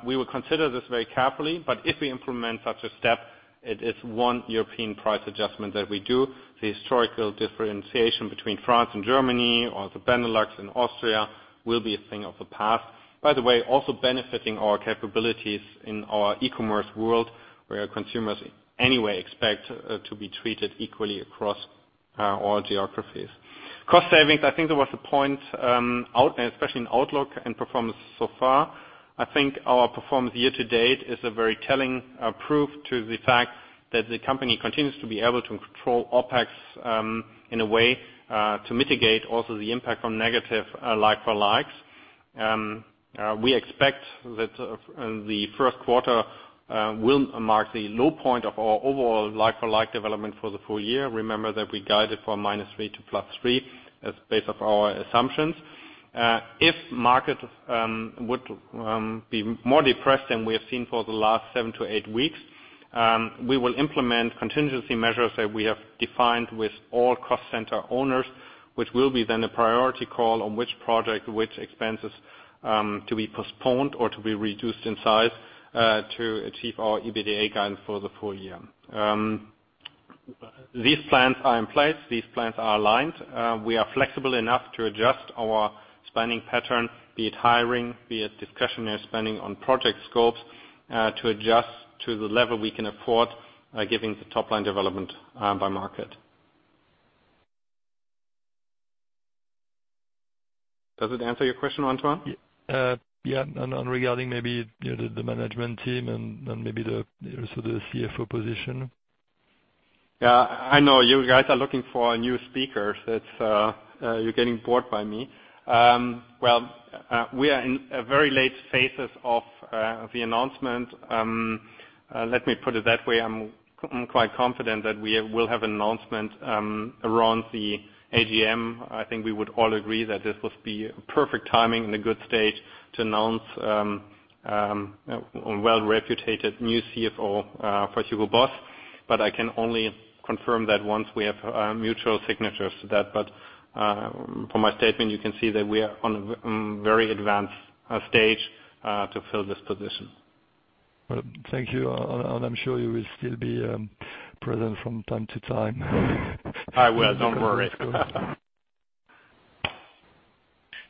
we will consider this very carefully, but if we implement such a step, it is one European price adjustment that we do. The historical differentiation between France and Germany or the Benelux and Austria will be a thing of the past. By the way, also benefiting our capabilities in our e-commerce world, where our consumers anyway expect to be treated equally across all geographies. Cost savings, I think there was a point, especially in outlook and performance so far. I think our performance year to date is a very telling proof to the fact that the company continues to be able to control OpEx in a way to mitigate also the impact from negative like-for-likes. We expect that the first quarter will mark the low point of our overall like-for-like development for the full year. Remember that we guided from -3% to +3% as base of our assumptions. If market would be more depressed than we have seen for the last seven to eight weeks, we will implement contingency measures that we have defined with all cost center owners, which will be then a priority call on which project, which expenses to be postponed or to be reduced in size to achieve our EBITDA guide for the full year. These plans are in place. These plans are aligned. We are flexible enough to adjust our spending pattern, be it hiring, be it discretionary spending on project scopes, to adjust to the level we can afford giving the top-line development by market. Does it answer your question, Antoine?
Yeah. Regarding maybe the management team and maybe also the CFO position.
Yeah. I know you guys are looking for a new speaker. You are getting bored by me. We are in very late phases of the announcement. Let me put it that way. I am quite confident that we will have an announcement around the AGM. I think we would all agree that this would be perfect timing and a good stage to announce a well-reputated new CFO for Hugo Boss. I can only confirm that once we have mutual signatures to that. From my statement, you can see that we are on a very advanced stage to fill this position.
Thank you. I am sure you will still be present from time to time.
I will. Don't worry.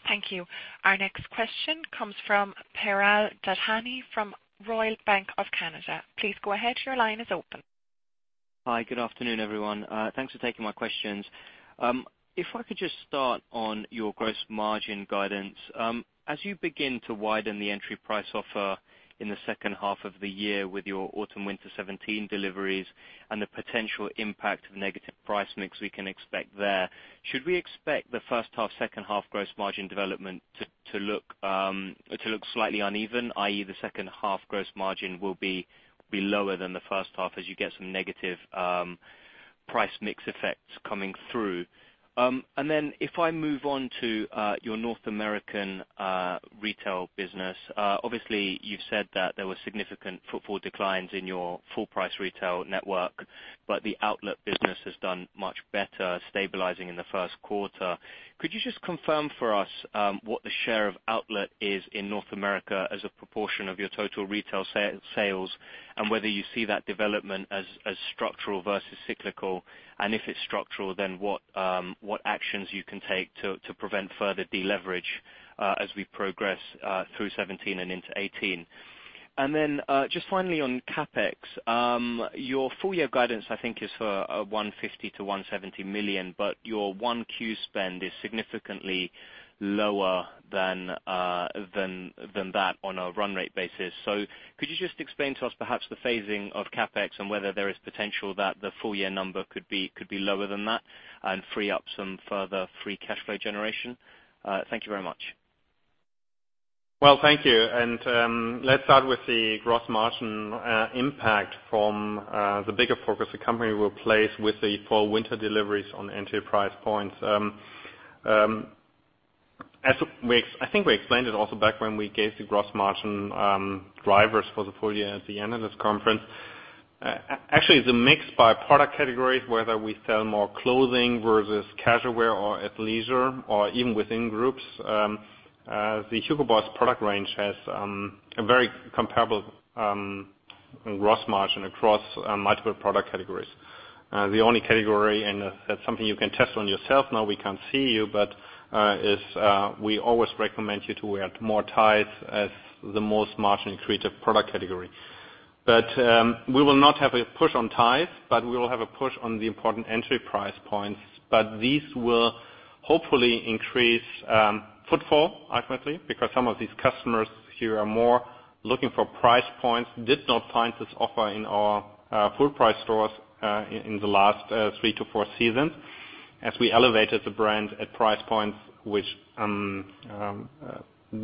Thank you. Our next question comes from Piral Dadhania from Royal Bank of Canada. Please go ahead. Your line is open.
Hi. Good afternoon, everyone. Thanks for taking my questions. If I could just start on your gross margin guidance. As you begin to widen the entry price offer in the second half of the year with your autumn winter 2017 deliveries and the potential impact of negative price mix we can expect there, should we expect the first half, second half gross margin development to look slightly uneven, i.e. the second half gross margin will be lower than the first half as you get some negative price mix effects coming through? If I move on to your North American retail business. Obviously, you've said that there were significant footfall declines in your full price retail network, but the outlet business has done much better, stabilizing in the first quarter. Could you just confirm for us what the share of outlet is in North America as a proportion of your total retail sales, and whether you see that development as structural versus cyclical? If it's structural, what actions you can take to prevent further deleverage as we progress through 2017 and into 2018. Just finally on CapEx. Your full year guidance, I think, is for 150 million to 170 million, but your one Q spend is significantly lower than that on a run rate basis. Could you just explain to us perhaps the phasing of CapEx and whether there is potential that the full year number could be lower than that and free up some further free cash flow generation? Thank you very much.
Well, thank you. Let's start with the gross margin impact from the bigger focus the company will place with the fall winter deliveries on entry price points. I think we explained it also back when we gave the gross margin drivers for the full year at the end of this conference. Actually, the mix by product categories, whether we sell more clothing versus casual wear or athleisure or even within groups. The Hugo Boss product range has a very comparable gross margin across multiple product categories. The only category, and that's something you can test on yourself. Now we can't see you, but we always recommend you to wear more ties as the most margin creative product category. We will not have a push on ties, but we will have a push on the important entry price points. These will hopefully increase footfall, ultimately, because some of these customers who are more looking for price points did not find this offer in our full price stores in the last three to four seasons as we elevated the brand at price points which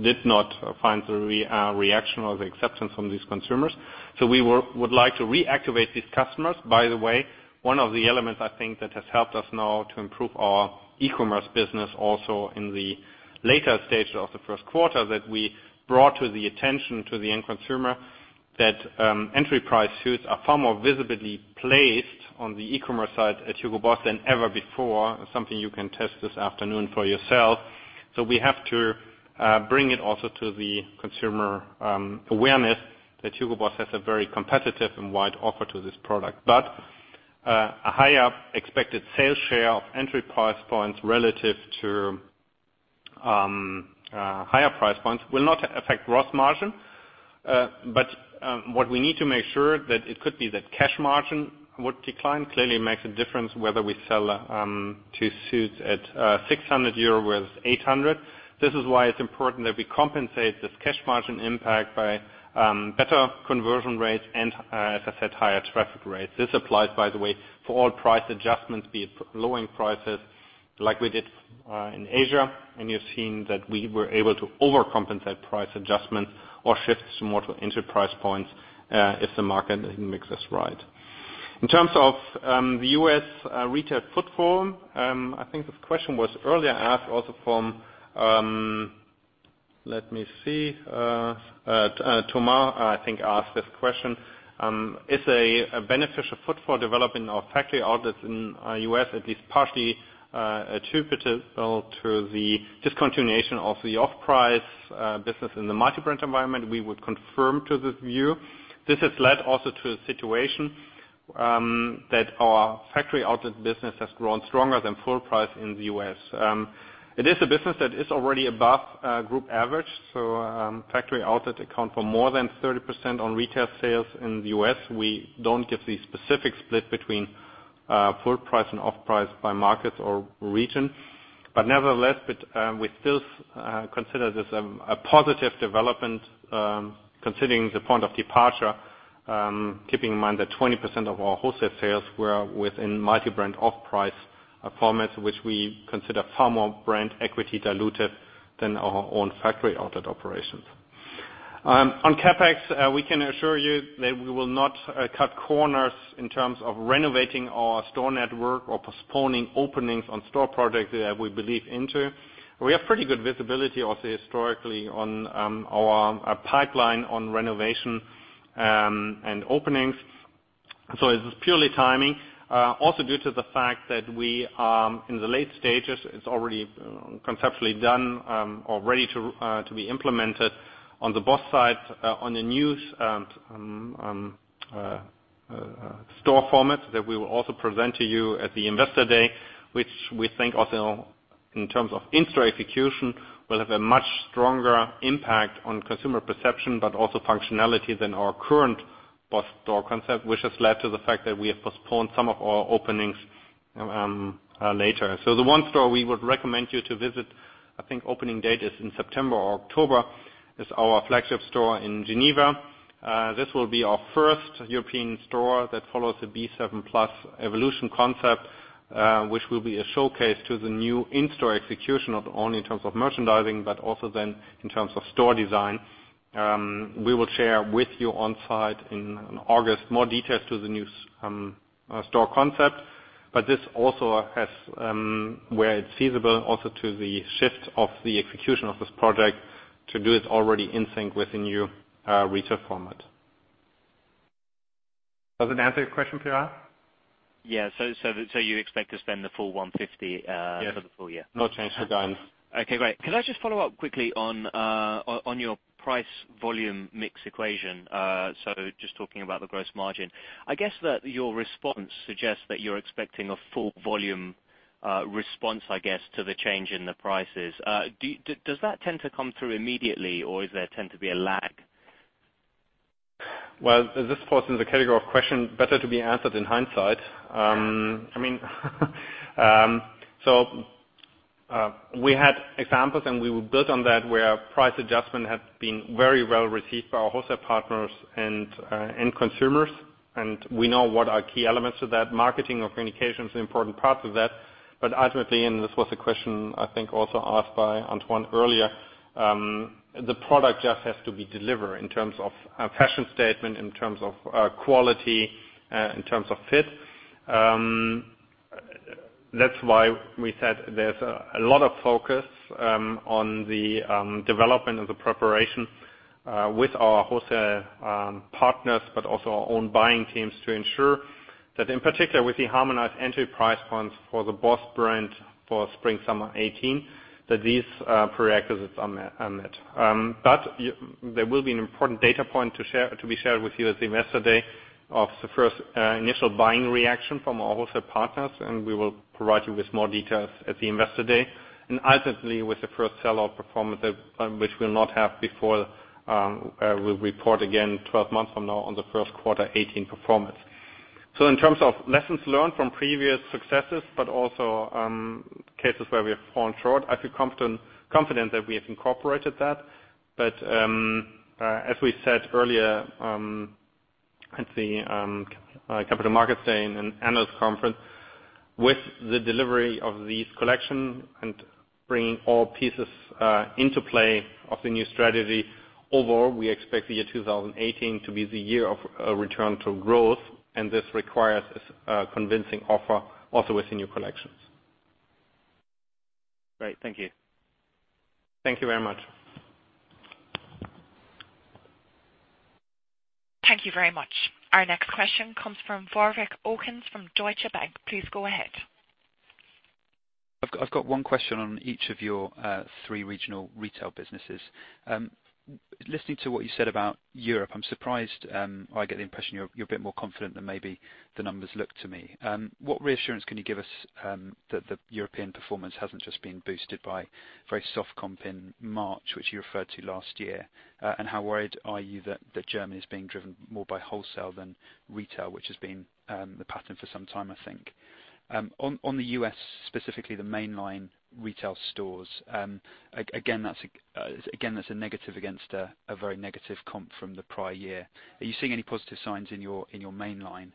did not find the reaction or the acceptance from these consumers. We would like to reactivate these customers. By the way, one of the elements I think that has helped us now to improve our e-commerce business also in the later stage of the first quarter that we brought to the attention to the end consumer that entry price suits are far more visibly placed on the e-commerce side at Hugo Boss than ever before. Something you can test this afternoon for yourself. We have to bring it also to the consumer awareness that Hugo Boss has a very competitive and wide offer to this product. A higher expected sales share of entry price points relative to higher price points will not affect gross margin. What we need to make sure that it could be that cash margin would decline. Clearly makes a difference whether we sell two suits at 600 euro worth 800. This is why it's important that we compensate this cash margin impact by better conversion rates and, as I said, higher traffic rates. This applies, by the way, for all price adjustments, be it lowering prices like we did in Asia. You've seen that we were able to overcompensate price adjustments or shift some more to entry price points if the market mix is right. In terms of the U.S. retail footfall. I think this question was earlier asked also from-- Let me see. Thomas, I think, asked this question. Is a beneficial footfall development of factory outlets in U.S. at least partially attributable to the discontinuation of the off-price business in the multi-brand environment? We would confirm to this view. This has led also to a situation that our factory outlet business has grown stronger than full price in the U.S. It is a business that is already above group average. Factory outlet account for more than 30% on retail sales in the U.S. We don't give the specific split between full price and off price by markets or region. Nevertheless, we still consider this a positive development, considering the point of departure, keeping in mind that 20% of our wholesale sales were within multi-brand off-price formats, which we consider far more brand equity diluted than our own factory outlet operations. On CapEx, we can assure you that we will not cut corners in terms of renovating our store network or postponing openings on store projects that we believe in. We have pretty good visibility also historically on our pipeline on renovation and openings. It is purely timing. Due to the fact that we are in the late stages, it's already conceptually done or ready to be implemented on the BOSS side on the new store format that we will also present to you at the investor day, which we think also in terms of in-store execution, will have a much stronger impact on consumer perception, but also functionality than our current BOSS store concept, which has led to the fact that we have postponed some of our openings later. The one store we would recommend you to visit, I think opening date is in September or October, is our flagship store in Geneva. This will be our first European store that follows the B7 Plus Evolution Concept, which will be a showcase to the new in-store execution, not only in terms of merchandising, but also then in terms of store design. We will share with you on-site in August more details to the new store concept, this also has where it's feasible also to the shift of the execution of this project to do it already in sync with the new retail format. Does it answer your question, Piral?
Yeah. You expect to spend the full 150-
Yes
for the full year?
No change are done.
Okay, great. Could I just follow up quickly on your price-volume mix equation? Just talking about the gross margin. I guess that your response suggests that you're expecting a full volume response, I guess, to the change in the prices. Does that tend to come through immediately or is there tend to be a lag?
Well, this falls in the category of question better to be answered in hindsight. We had examples, and we will build on that, where price adjustment has been very well received by our wholesale partners and end consumers. We know what are key elements to that. Marketing or communication is an important part of that. Ultimately, and this was a question, I think, also asked by Antoine earlier, the product just has to be delivered in terms of a fashion statement, in terms of quality, in terms of fit. That's why we said there's a lot of focus on the development and the preparation with our wholesale partners, but also our own buying teams to ensure that in particular with the harmonized entry price points for the BOSS brand for spring/summer 2018, that these prerequisites are met. There will be an important data point to be shared with you at the investor day of the first initial buying reaction from our wholesale partners, and we will provide you with more details at the investor day. Ultimately, with the first sell-out performance, which we will not have before we report again 12 months from now on the first quarter 2018 performance. In terms of lessons learned from previous successes, but also cases where we have fallen short, I feel confident that we have incorporated that. As we said earlier at the capital markets day and analyst conference with the delivery of these collection and bringing all pieces into play of the new strategy. Overall, we expect the year 2018 to be the year of a return to growth, and this requires a convincing offer also with the new collections.
Great. Thank you.
Thank you very much.
Thank you very much. Our next question comes from Warwick Okines from Deutsche Bank. Please go ahead.
I've got one question on each of your three regional retail businesses. Listening to what you said about Europe, I'm surprised or I get the impression you're a bit more confident than maybe the numbers look to me. What reassurance can you give us that the European performance hasn't just been boosted by very soft comp in March, which you referred to last year? How worried are you that Germany is being driven more by wholesale than retail, which has been the pattern for some time, I think. On the U.S., specifically the mainline retail stores. Again, that's a negative against a very negative comp from the prior year. Are you seeing any positive signs in your mainline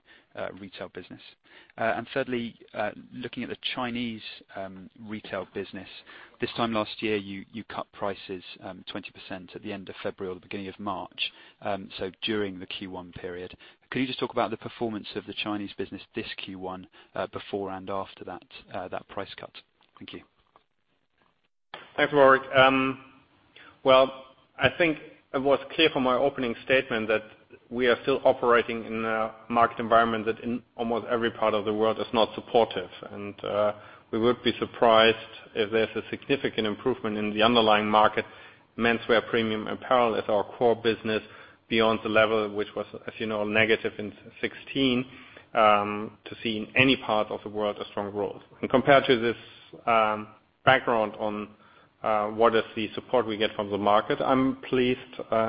retail business? Thirdly, looking at the Chinese retail business. This time last year, you cut prices 20% at the end of February or the beginning of March, so during the Q1 period. Could you just talk about the performance of the Chinese business this Q1 before and after that price cut? Thank you.
Thanks, Warwick. I think it was clear from my opening statement that we are still operating in a market environment that in almost every part of the world is not supportive. We would be surprised if there's a significant improvement in the underlying market. Menswear premium apparel is our core business beyond the level which was, as you know, negative in 2016, to see in any part of the world a strong growth. Compared to this background on what is the support we get from the market, I'm pleased,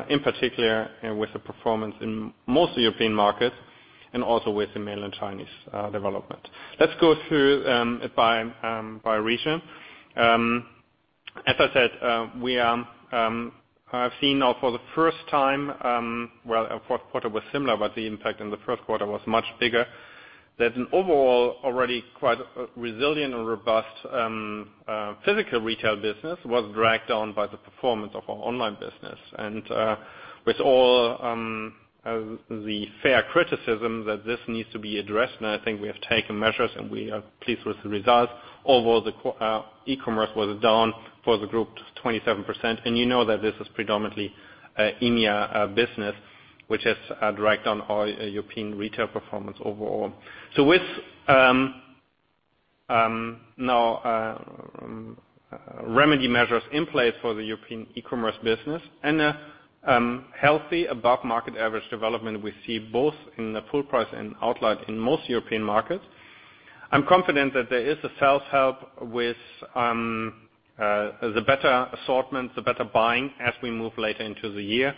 in particular, with the performance in most European markets. Also with the mainland Chinese development. Let's go through it by region. As I said, I've seen now for the first time, our fourth quarter was similar, but the impact in the first quarter was much bigger, that an overall already quite resilient and robust physical retail business was dragged down by the performance of our online business. With all the fair criticism that this needs to be addressed, I think we have taken measures and we are pleased with the results. Overall, the e-commerce was down for the group 27%. You know that this is predominantly EMEA business, which has dragged down our European retail performance overall. With now remedy measures in place for the European e-commerce business and a healthy above-market average development, we see both in the full price and outlet in most European markets. I'm confident that there is a sales help with the better assortment, the better buying as we move later into the year.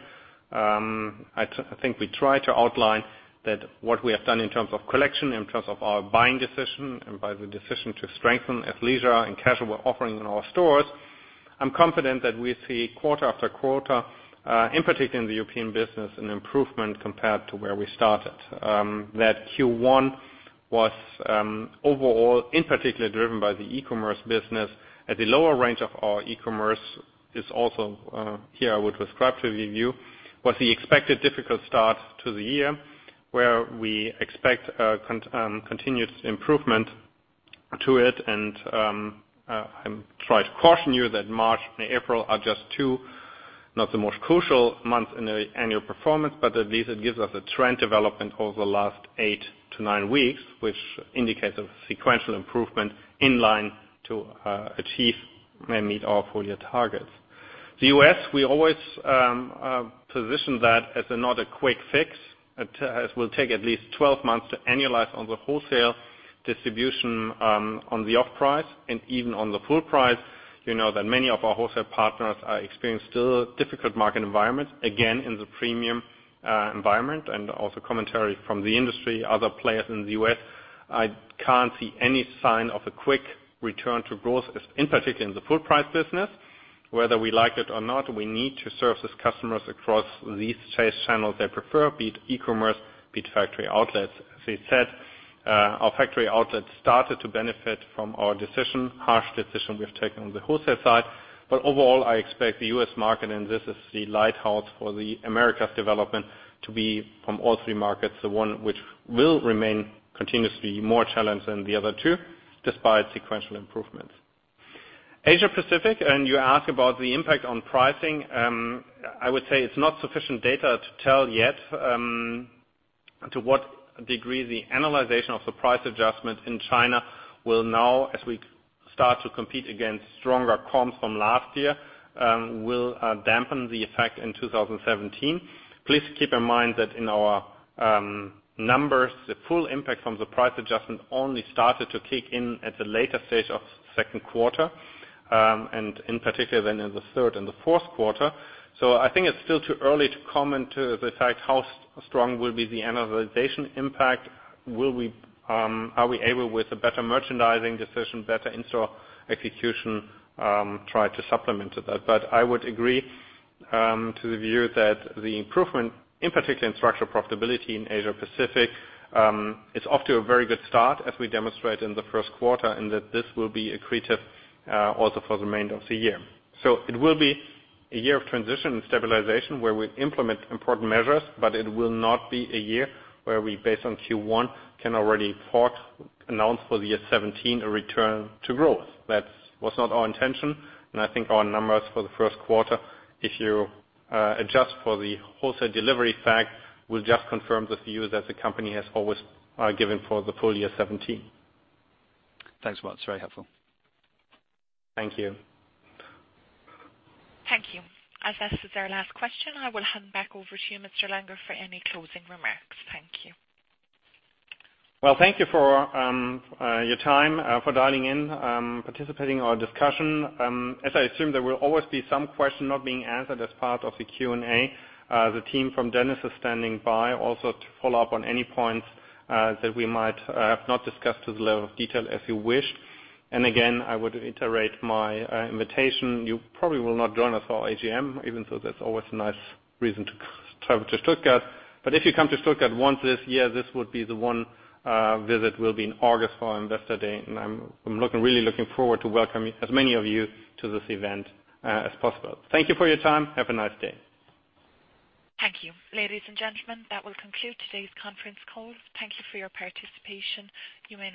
I think we try to outline that what we have done in terms of collection, in terms of our buying decision to strengthen athleisure and casual offering in our stores. I'm confident that we see quarter after quarter, in particular in the European business, an improvement compared to where we started. That Q1 was overall, in particular, driven by the e-commerce business at the lower range of our e-commerce is also here, I would describe to you, was the expected difficult start to the year, where we expect a continuous improvement to it. I try to caution you that March and April are just two, not the most crucial months in the annual performance, but at least it gives us a trend development over the last eight to nine weeks, which indicates a sequential improvement in line to achieve and meet our full year targets. The U.S., we always position that as another quick fix. It will take at least 12 months to annualize on the wholesale distribution on the off price and even on the full price. You know that many of our wholesale partners are experiencing still a difficult market environment, again, in the premium environment and also commentary from the industry, other players in the U.S. I can't see any sign of a quick return to growth, in particular in the full price business. Whether we like it or not, we need to service customers across these sales channels they prefer, be it e-commerce, be it factory outlets. As I said, our factory outlets started to benefit from our decision, harsh decision we have taken on the wholesale side. Overall, I expect the U.S. market, and this is the lighthouse for the Americas development, to be from all three markets, the one which will remain continuously more challenged than the other two, despite sequential improvements. Asia-Pacific, you ask about the impact on pricing. I would say it's not sufficient data to tell yet to what degree the annualization of the price adjustment in China will now, as we start to compete against stronger comps from last year, will dampen the effect in 2017. Please keep in mind that in our numbers, the full impact from the price adjustment only started to kick in at the later stage of second quarter, in particular, then in the third and the fourth quarter. I think it's still too early to comment to the fact how strong will be the annualization impact. Are we able, with a better merchandising decision, better in-store execution, try to supplement that? I would agree to the view that the improvement, in particular in structural profitability in Asia-Pacific, it's off to a very good start as we demonstrate in the first quarter, and that this will be accretive also for the remainder of the year. It will be a year of transition and stabilization where we implement important measures, but it will not be a year where we, based on Q1, can already forecast, announce for the year 2017 a return to growth. That was not our intention, and I think our numbers for the first quarter, if you adjust for the wholesale delivery fact, will just confirm the view that the company has always given for the full year 2017.
Thanks a lot. It's very helpful.
Thank you.
Thank you. As this is our last question, I will hand back over to you, Mr. Langer, for any closing remarks. Thank you.
Well, thank you for your time, for dialing in, participating in our discussion. As I assume, there will always be some question not being answered as part of the Q&A. The team from Dennis is standing by also to follow up on any points that we might have not discussed to the level of detail if you wish. Again, I would iterate my invitation. You probably will not join us for our AGM, even so that's always a nice reason to travel to Stuttgart. If you come to Stuttgart once this year, this would be the one visit will be in August for our Investor Day. I'm really looking forward to welcoming as many of you to this event as possible. Thank you for your time. Have a nice day.
Thank you. Ladies and gentlemen, that will conclude today's conference call. Thank you for your participation. You may now disconnect.